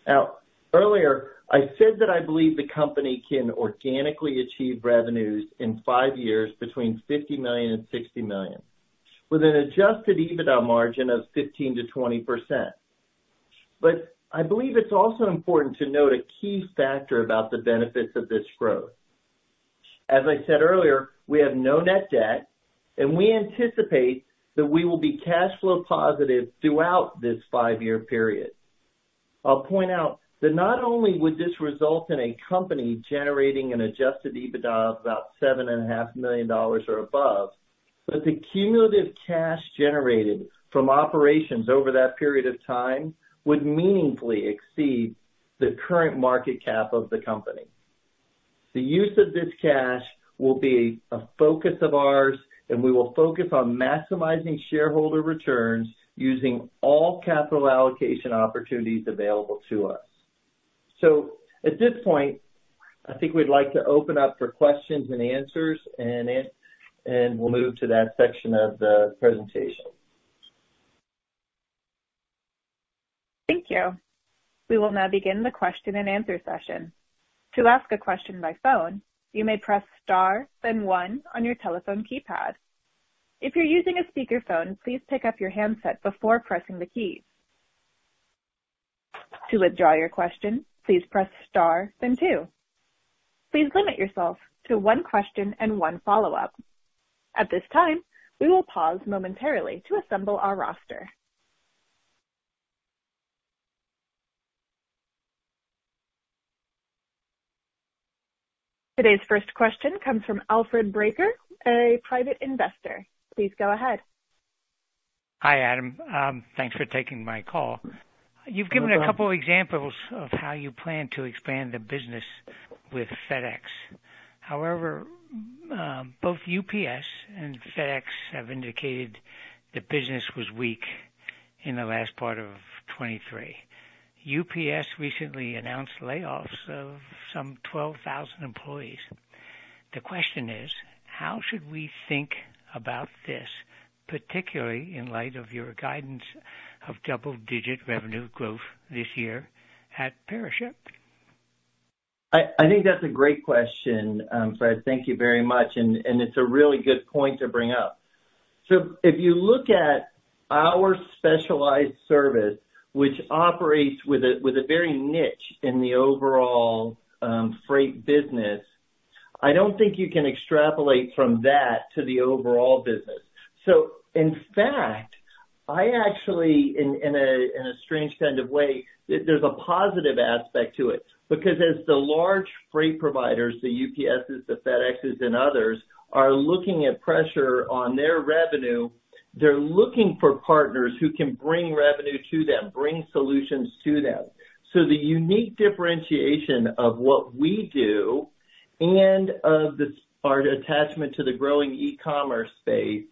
Now, earlier, I said that I believe the company can organically achieve revenues in five years, between $50 million and $60 million, with an Adjusted EBITDA margin of 15%-20%. But I believe it's also important to note a key factor about the benefits of this growth. As I said earlier, we have no net debt, and we anticipate that we will be cash flow positive throughout this five-year period. I'll point out that not only would this result in a company generating an Adjusted EBITDA of about $7.5 million or above, but the cumulative cash generated from operations over that period of time would meaningfully exceed the current market cap of the company. The use of this cash will be a focus of ours, and we will focus on maximizing shareholder returns using all capital allocation opportunities available to us. So at this point, I think we'd like to open up for questions and answers, and we'll move to that section of the presentation. ... Thank you. We will now begin the question and answer session. To ask a question by phone, you may press star, then one on your telephone keypad. If you're using a speakerphone, please pick up your handset before pressing the keys. To withdraw your question, please press star then two. Please limit yourself to one question and one follow-up. At this time, we will pause momentarily to assemble our roster. Today's first question comes from Alfred Becker, a private investor. Please go ahead. Hi, Adam. Thanks for taking my call. You're welcome. You've given a couple examples of how you plan to expand the business with FedEx. However, both UPS and FedEx have indicated the business was weak in the last part of 2023. UPS recently announced layoffs of some 12,000 employees. The question is: how should we think about this, particularly in light of your guidance of double-digit revenue growth this year at PeriShip? I, I think that's a great question, Fred. Thank you very much, and it's a really good point to bring up. So if you look at our specialized service, which operates with a very niche in the overall freight business, I don't think you can extrapolate from that to the overall business. So in fact, I actually, in a strange kind of way, there's a positive aspect to it, because as the large freight providers, the UPS's, the FedExes, and others, are looking at pressure on their revenue, they're looking for partners who can bring revenue to them, bring solutions to them. So the unique differentiation of what we do and of this, our attachment to the growing e-commerce space,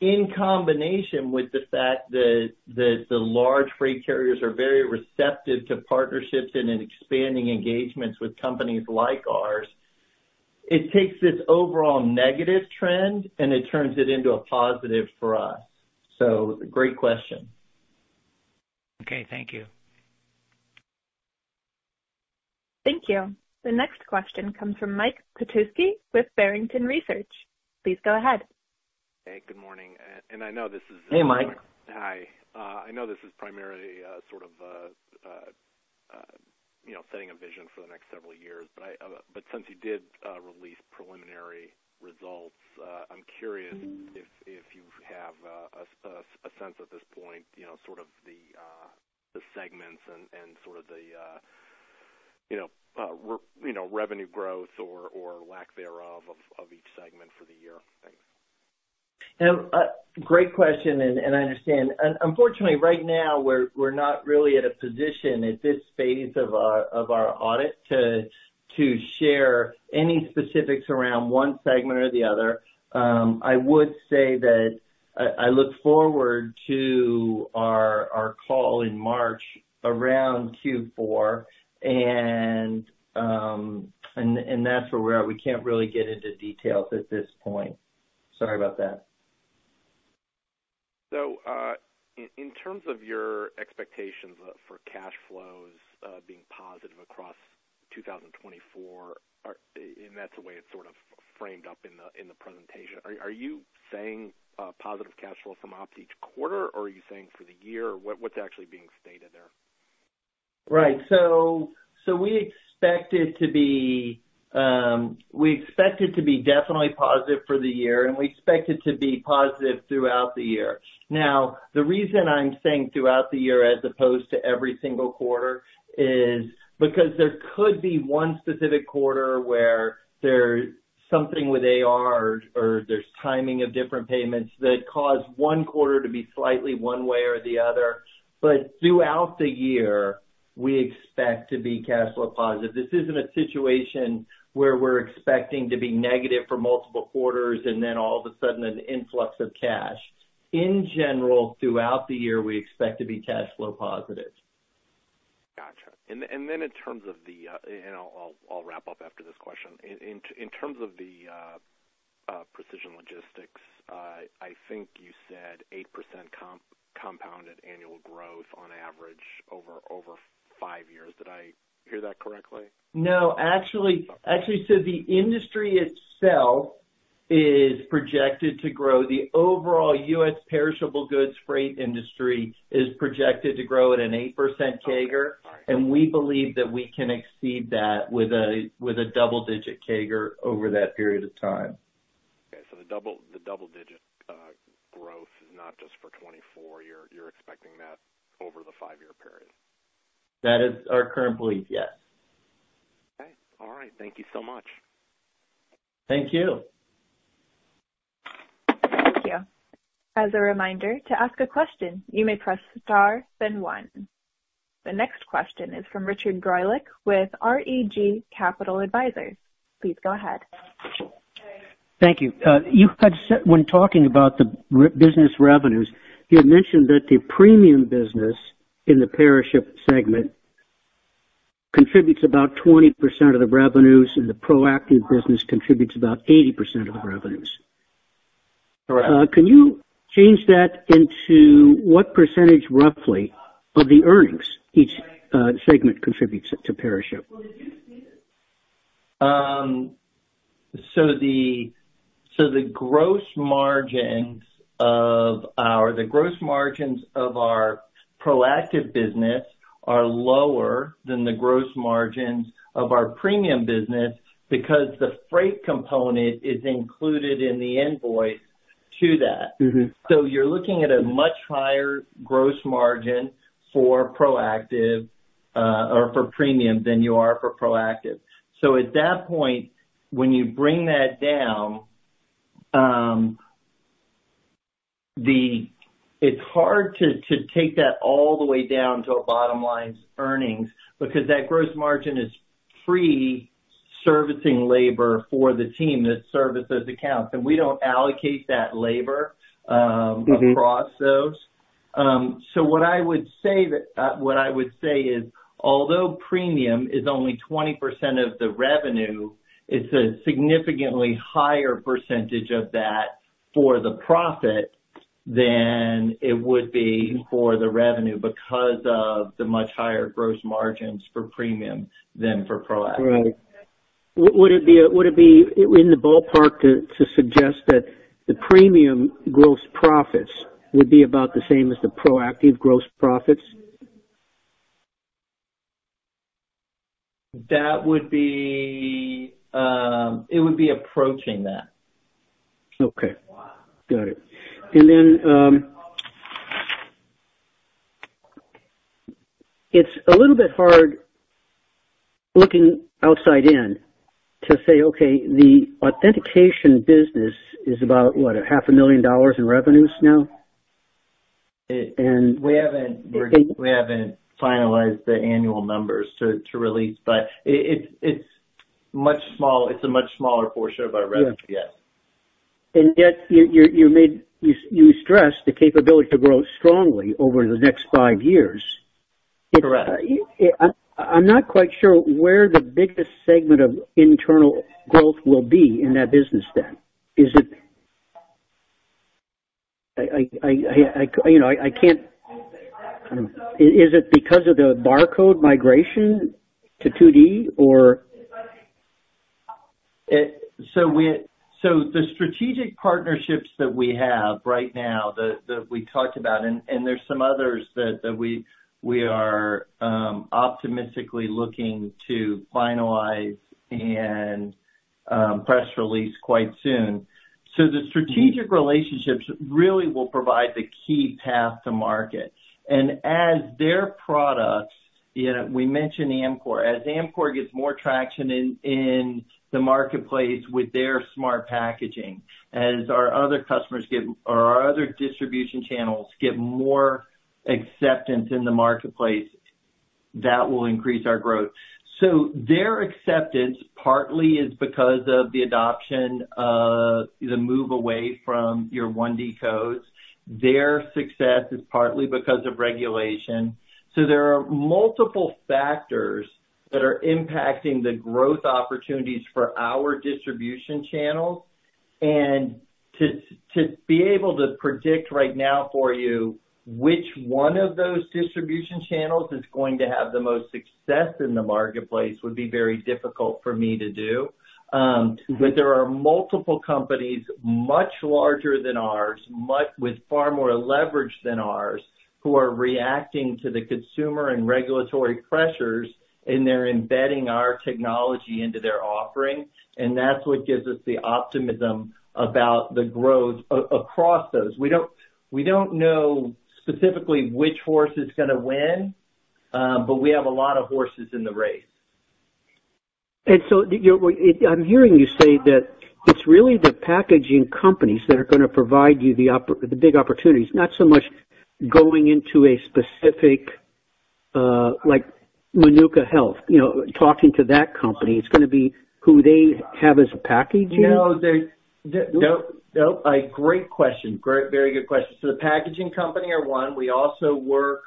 in combination with the fact that the large freight carriers are very receptive to partnerships and in expanding engagements with companies like ours, it takes this overall negative trend and it turns it into a positive for us. So great question. Okay. Thank you. Thank you. The next question comes from Mike Petusky with Barrington Research. Please go ahead. Hey, good morning. And I know this is- Hey, Mike. Hi. I know this is primarily sort of, you know, setting a vision for the next several years, but since you did release preliminary results, I'm curious if you have a sense at this point, you know, sort of the segments and sort of the, you know, revenue growth or lack thereof, of each segment for the year? Thanks. Now, great question, and I understand. Unfortunately, right now, we're not really at a position at this phase of our audit to share any specifics around one segment or the other. I would say that I look forward to our call in March around Q4, and that's where we're at. We can't really get into details at this point. Sorry about that. So, in terms of your expectations for cash flows being positive across 2024, and that's the way it's sort of framed up in the presentation. Are you saying positive cash flows from ops each quarter, or are you saying for the year, or what's actually being stated there? Right. So, so we expect it to be, we expect it to be definitely positive for the year, and we expect it to be positive throughout the year. Now, the reason I'm saying throughout the year, as opposed to every single quarter, is because there could be one specific quarter where there's something with AR or, or there's timing of different payments that cause one quarter to be slightly one way or the other. But throughout the year, we expect to be cash flow positive. This isn't a situation where we're expecting to be negative for multiple quarters, and then all of a sudden, an influx of cash. In general, throughout the year, we expect to be cash flow positive. Gotcha. And then in terms of the, and I'll wrap up after this question. In terms of the Precision Logistics, I think you said 8% compounded annual growth on average over five years. Did I hear that correctly? No, actually, actually, so the industry itself is projected to grow. The overall U.S. perishable goods freight industry is projected to grow at an 8% CAGR, and we believe that we can exceed that with a, with a double-digit CAGR over that period of time. Okay. So the double, the double digit growth is not just for 2024, you're, you're expecting that over the five-year period? That is our current belief, yes. Okay. All right. Thank you so much. Thank you. Thank you. As a reminder, to ask a question, you may press star, then one. The next question is from Richard Greulich with REG Capital Advisors. Please go ahead. Thank you. You had said, when talking about the recurring business revenues, you had mentioned that the Premium business in the PeriShip segment contributes about 20% of the revenues, and the Proactive business contributes about 80% of the revenues. Correct. Can you change that into what percentage, roughly, of the earnings each segment contributes to PeriShip? So the gross margins of our proactive business are lower than the gross margins of our Premium business because the freight component is included in the invoice to that. Mm-hmm. So you're looking at a much higher gross margin for Proactive, or for Premium than you are for Proactive. So at that point, when you bring that down, it's hard to take that all the way down to a bottom line earnings, because that gross margin is free servicing labor for the team that service those accounts, and we don't allocate that labor. Mm-hmm. Across those. So what I would say is, although Premium is only 20% of the revenue, it's a significantly higher percentage of that for the profit than it would be for the revenue, because of the much higher gross margins for Premium than for Proactive. Right. Would it be, would it be in the ballpark to, to suggest that the Premium gross profits would be about the same as the Proactive gross profits? That would be, it would be approaching that. Okay. Got it. And then, it's a little bit hard looking outside in to say, "Okay, the authentication business is about, what, $500,000 in revenues now?" And- We haven't finalized the annual numbers to release, but it's a much smaller portion of our revenue, yes. Yet, you made, you stressed the capability to grow strongly over the next five years. Correct. I'm not quite sure where the biggest segment of internal growth will be in that business then. Is it... you know, I can't... is it because of the barcode migration to 2D or? So the strategic partnerships that we have right now, that we talked about, and there's some others that we are optimistically looking to finalize and press release quite soon. So the strategic- Mm. Relationships really will provide the key path to market. And as their products, you know, we mentioned Amcor. As Amcor gets more traction in the marketplace with their smart packaging, as our other customers get, or our other distribution channels get more acceptance in the marketplace, that will increase our growth. So their acceptance, partly, is because of the adoption of the move away from your 1D codes. Their success is partly because of regulation. So there are multiple factors that are impacting the growth opportunities for our distribution channels. And to be able to predict right now for you, which one of those distribution channels is going to have the most success in the marketplace, would be very difficult for me to do. Mm. But there are multiple companies, much larger than ours, much with far more leverage than ours, who are reacting to the consumer and regulatory pressures, and they're embedding our technology into their offerings, and that's what gives us the optimism about the growth across those. We don't, we don't know specifically which horse is gonna win, but we have a lot of horses in the race. So, you, I'm hearing you say that it's really the packaging companies that are gonna provide you the big opportunities, not so much going into a specific, like Manuka Health, you know, talking to that company, it's gonna be who they have as a packager? No, no, a great question. Great, very good question. So the packaging company are one. We also work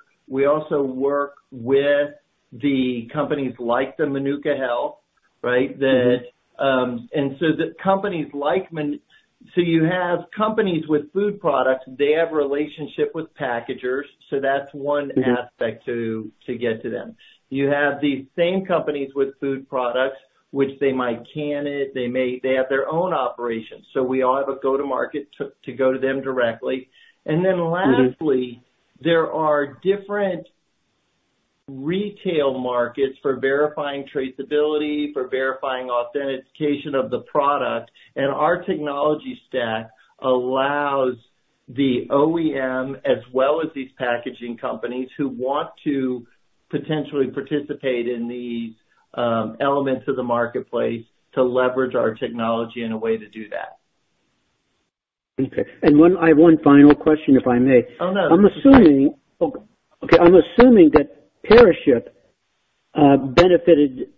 with the companies like the Manuka Health, right? Mm-hmm. That, and so the companies like Manuka, so you have companies with food products, they have relationship with packagers, so that's one- Mm-hmm. aspect to get to them. You have these same companies with food products, which they might can it, they may. They have their own operations, so we all have a go-to-market to go to them directly. Mm-hmm. And then lastly, there are different retail markets for verifying traceability, for verifying authentication of the product, and our technology stack allows the OEM, as well as these packaging companies, who want to potentially participate in these, elements of the marketplace, to leverage our technology in a way to do that. Okay. And one, I have one final question, if I may? Oh, no. I'm assuming that PeriShip benefited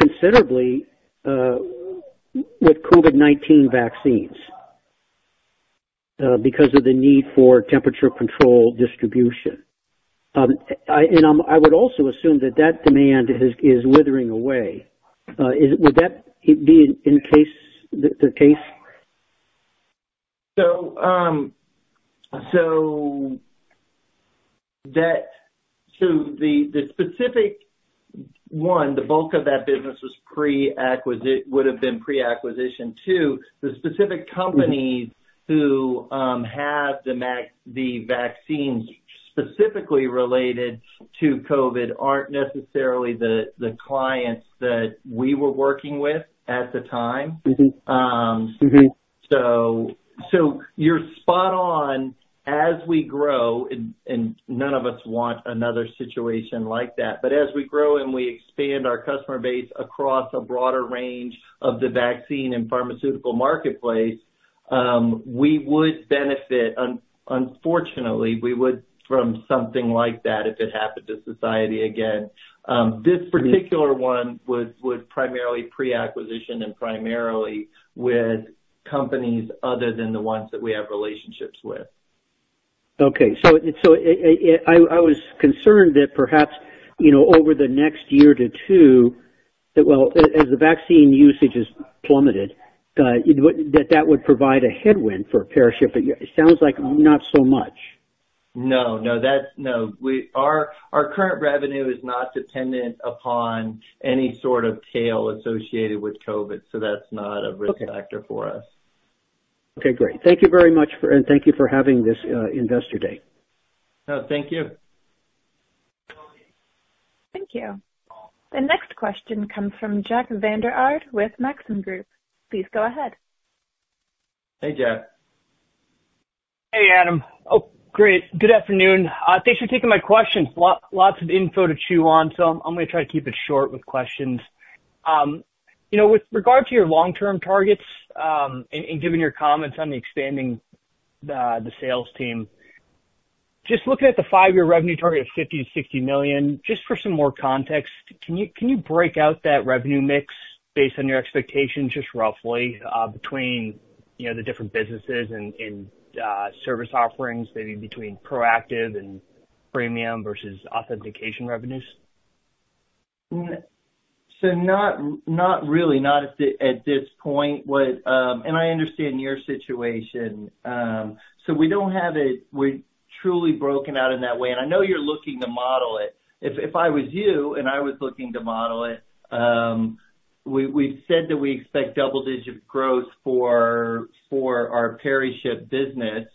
considerably with COVID-19 vaccines because of the need for temperature control distribution. And I would also assume that that demand is withering away. Is that the case? So, the specific one, the bulk of that business would have been pre-acquisition. Two, the specific companies who have the vaccines specifically related to COVID aren't necessarily the clients that we were working with at the time. Mm-hmm. Mm-hmm. So, you're spot on. As we grow, and none of us want another situation like that, but as we grow and we expand our customer base across a broader range of the vaccine and pharmaceutical marketplace, we would benefit; unfortunately, we would from something like that if it happened to society again. This particular one was primarily pre-acquisition and primarily with companies other than the ones that we have relationships with. Okay. So, I was concerned that perhaps, you know, over the next year to two, that well, as the vaccine usage has plummeted, that would provide a headwind for PeriShip. It sounds like not so much. No, our current revenue is not dependent upon any sort of tail associated with COVID, so that's not a risk factor for us. Okay, great. Thank you very much for... And thank you for having this, Investor Day. No, thank you. Thank you. The next question comes from Jack Vander Aarde, with Maxim Group. Please go ahead. Hey, Jack. Hey, Adam. Oh, great. Good afternoon. Thanks for taking my questions. Lots of info to chew on, so I'm gonna try to keep it short with questions. You know, with regard to your long-term targets, and given your comments on expanding the sales team, just looking at the five-year revenue target of $50 million-$60 million, just for some more context, can you break out that revenue mix based on your expectations, just roughly, between, you know, the different businesses and service offerings, maybe between Proactive and Premium versus authentication revenues? So, not really, not at this point. What... And I understand your situation. So we don't have it. We're truly broken out in that way, and I know you're looking to model it. If I was you, and I was looking to model it, we've said that we expect double-digit growth for our PeriShip business,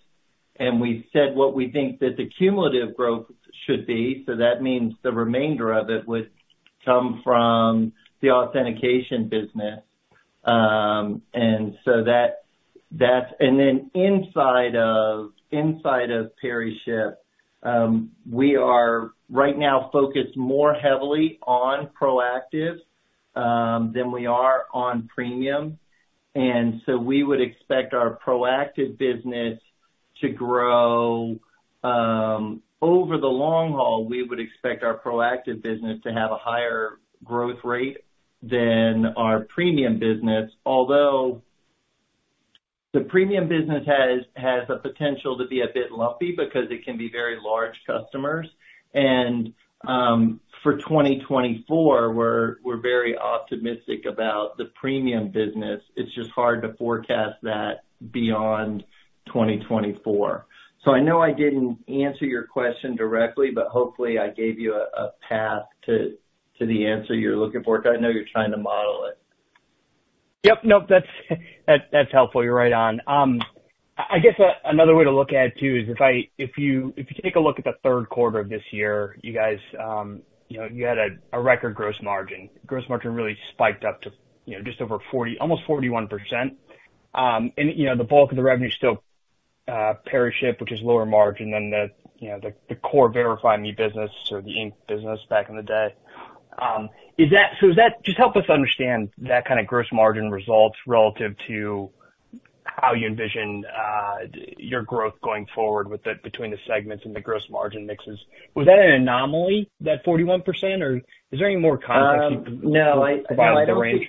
and we've said what we think that the cumulative growth should be. So that means the remainder of it would come from the authentication business. And so that's. And then inside of PeriShip, we are right now focused more heavily on Proactive than we are on Premium, and so we would expect our Proactive business to grow. Over the long haul, we would expect our Proactive business to have a higher growth rate than our Premium business, although the Premium business has the potential to be a bit lumpy because it can be very large customers. And, for 2024, we're very optimistic about the Premium business. It's just hard to forecast that beyond 2024. So I know I didn't answer your question directly, but hopefully I gave you a path to the answer you're looking for. I know you're trying to model it. Yep. Nope, that's helpful. You're right on. I guess another way to look at it, too, is if you take a look at the third quarter of this year, you guys, you know, you had a record gross margin. Gross margin really spiked up to, you know, just over 40, almost 41%. And, you know, the bulk of the revenue is still PeriShip, which is lower margin than the, you know, the core VerifyMe business or the ink business back in the day. So is that— Just help us understand that kind of gross margin results relative to how you envision your growth going forward with the between the segments and the gross margin mixes. Was that an anomaly, that 41%, or is there any more context- No, I don't think— about the range?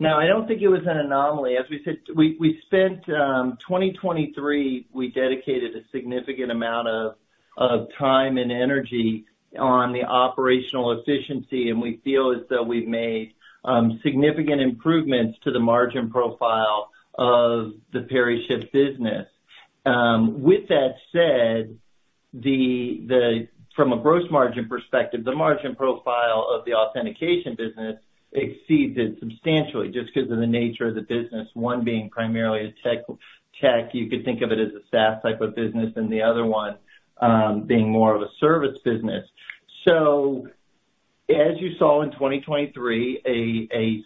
No, I don't think it was an anomaly. As we said, we spent 2023, we dedicated a significant amount of time and energy on the operational efficiency, and we feel as though we've made significant improvements to the margin profile of the PeriShip business. With that said, from a gross margin perspective, the margin profile of the authentication business exceeded substantially just because of the nature of the business. One being primarily a tech, you could think of it as a SaaS type of business, and the other one being more of a service business. So as you saw in 2023,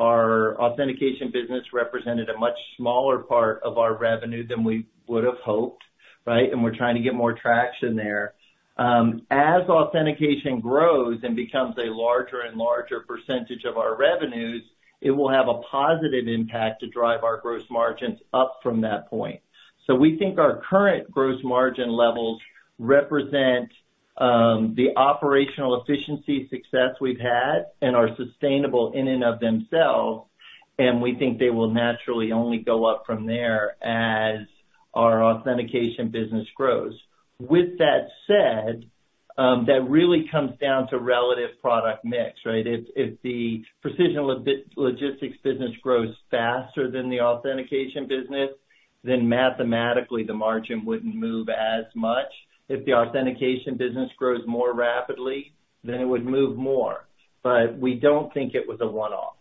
our authentication business represented a much smaller part of our revenue than we would've hoped, right? And we're trying to get more traction there. As authentication grows and becomes a larger and larger percentage of our revenues, it will have a positive impact to drive our gross margins up from that point. So we think our current gross margin levels represent the operational efficiency success we've had and are sustainable in and of themselves, and we think they will naturally only go up from there as our authentication business grows. With that said, that really comes down to relative product mix, right? If the Precision Logistics business grows faster than the authentication business, then mathematically, the margin wouldn't move as much. If the authentication business grows more rapidly, then it would move more. But we don't think it was a one-off.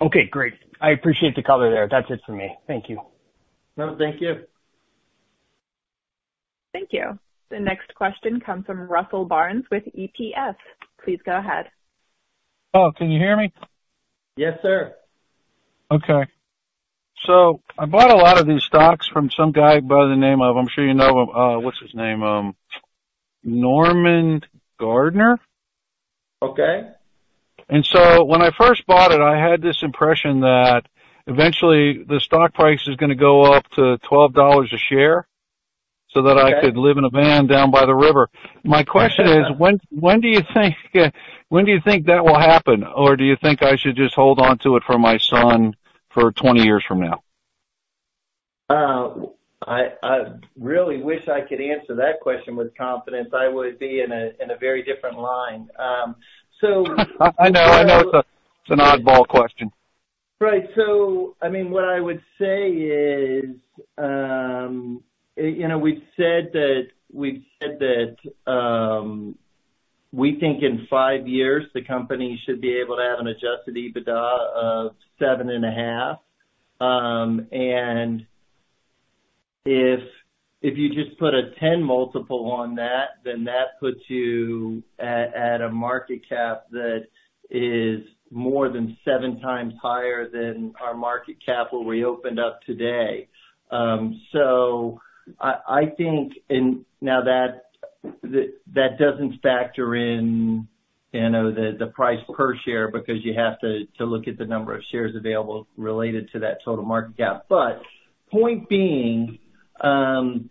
Okay, great. I appreciate the color there. That's it for me. Thank you. No, thank you. Thank you. The next question comes from Russell Barnes with EPS. Please go ahead. Oh, can you hear me? Yes, sir. Okay. So I bought a lot of these stocks from some guy by the name of, I'm sure you know him, what's his name? Norman Gardner. Okay. When I first bought it, I had this impression that eventually the stock price is gonna go up to $12 a share- Okay. so that I could live in a van down by the river. My question is, when, when do you think, when do you think that will happen? Or do you think I should just hold on to it for my son for 20 years from now? I really wish I could answer that question with confidence. I would be in a very different line. I know, I know it's an oddball question. Right. So, I mean, what I would say is, you know, we've said that, we've said that, we think in five years, the company should be able to have an Adjusted EBITDA of $7.5. And if you just put a 10x multiple on that, then that puts you at a market cap that is more than seven times higher than our market cap where we opened up today. So I think, and now that doesn't factor in, you know, the price per share, because you have to look at the number of shares available related to that total market cap. But point being, I'm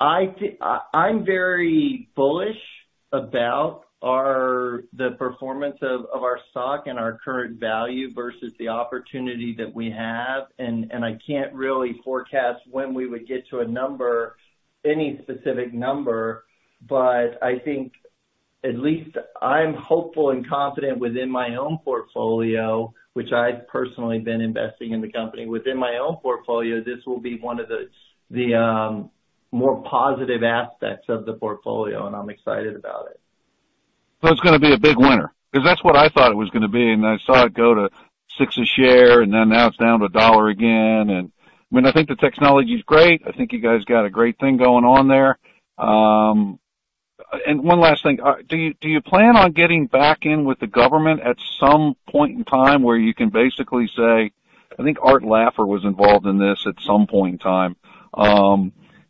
very bullish about the performance of our stock and our current value versus the opportunity that we have. I can't really forecast when we would get to a number, any specific number, but I think at least I'm hopeful and confident within my own portfolio, which I've personally been investing in the company. Within my own portfolio, this will be one of the more positive aspects of the portfolio, and I'm excited about it. So it's gonna be a big winner, 'cause that's what I thought it was gonna be, and I saw it go to $6 a share, and then now it's down to $1 again. I mean, I think the technology is great. I think you guys got a great thing going on there. One last thing. Do you plan on getting back in with the government at some point in time, where you can basically say... I think Art Laffer was involved in this at some point in time,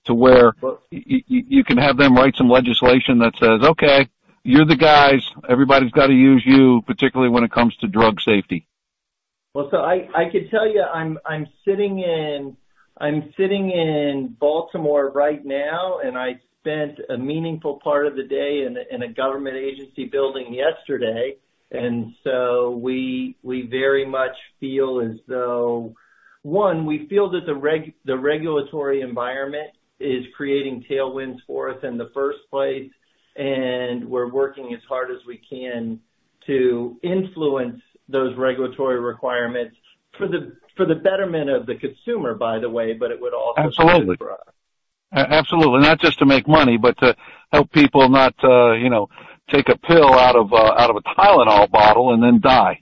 to where you can have them write some legislation that says, "Okay, you're the guys. Everybody's got to use you, particularly when it comes to drug safety. Well, so I could tell you, I'm sitting in Baltimore right now, and I spent a meaningful part of the day in a government agency building yesterday, and so we very much feel as though... One, we feel that the regulatory environment is creating tailwinds for us in the first place, and we're working as hard as we can to influence those regulatory requirements for the betterment of the consumer, by the way, but it would also- Absolutely. be good for us. Absolutely, not just to make money, but to help people not, you know, take a pill out of a Tylenol bottle and then die.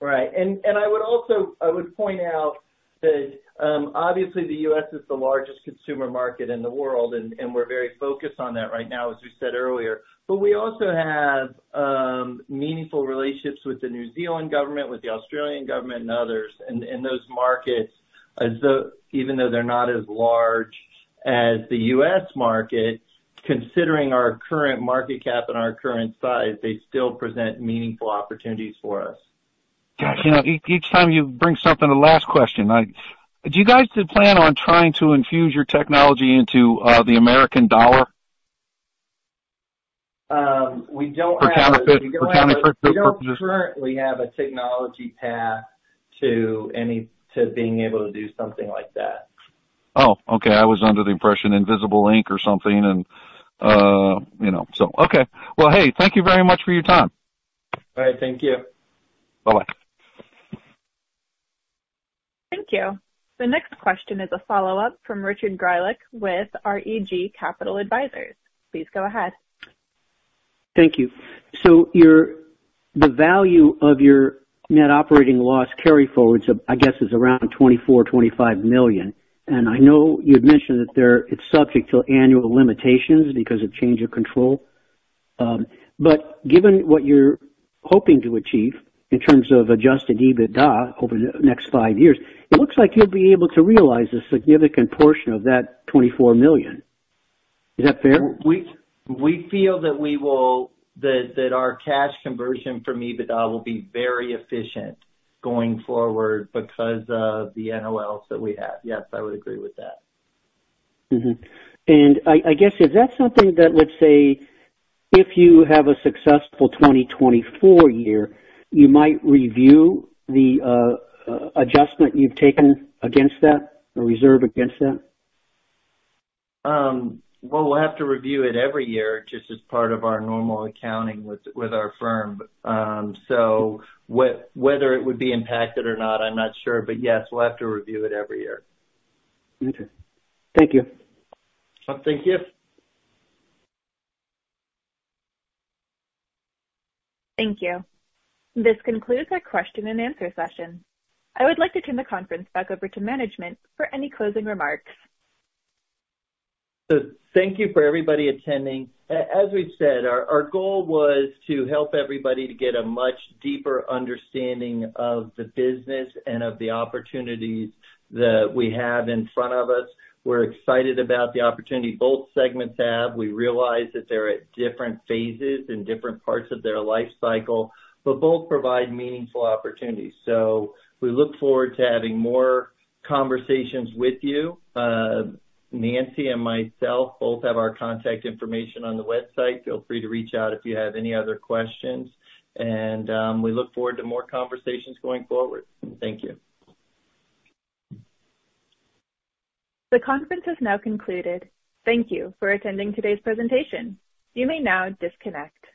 Right. And I would also, I would point out that, obviously, the U.S. is the largest consumer market in the world, and we're very focused on that right now, as we said earlier. But we also have, meaningful relationships with the New Zealand government, with the Australian government and others. And those markets, even though they're not as large as the U.S. market, considering our current market cap and our current size, they still present meaningful opportunities for us. Gosh, you know, each time you bring something, the last question. I... Do you guys plan on trying to infuse your technology into the American dollar? We don't have- For counterfeit, for counterfeiting purposes. We don't currently have a technology path to being able to do something like that. Oh, okay. I was under the impression, invisible ink or something, and, you know, so okay. Well, hey, thank you very much for your time. All right. Thank you. Bye-bye. Thank you. The next question is a follow-up from Richard Greulich with REG Capital Advisors. Please go ahead. Thank you. So your, the value of your net operating loss carryforwards, I guess, is around $24-$25 million. And I know you had mentioned that there, it's subject to annual limitations because of change of control. But given what you're hoping to achieve in terms of Adjusted EBITDA over the next 5 years, it looks like you'll be able to realize a significant portion of that $24 million. Is that fair? We feel that we will, that our cash conversion from EBITDA will be very efficient going forward because of the NOLs that we have. Yes, I would agree with that. Mm-hmm. And I guess, is that something that, let's say, if you have a successful 2024 year, you might review the adjustment you've taken against that or reserve against that? Well, we'll have to review it every year, just as part of our normal accounting with our firm. So whether it would be impacted or not, I'm not sure, but yes, we'll have to review it every year. Okay. Thank you. Well, thank you. Thank you. This concludes our question and answer session. I would like to turn the conference back over to management for any closing remarks. So thank you for everybody attending. As we've said, our goal was to help everybody to get a much deeper understanding of the business and of the opportunities that we have in front of us. We're excited about the opportunity both segments have. We realize that they're at different phases in different parts of their life cycle, but both provide meaningful opportunities. So we look forward to having more conversations with you. Nancy and myself both have our contact information on the website. Feel free to reach out if you have any other questions, and we look forward to more conversations going forward. Thank you. The conference has now concluded. Thank you for attending today's presentation. You may now disconnect.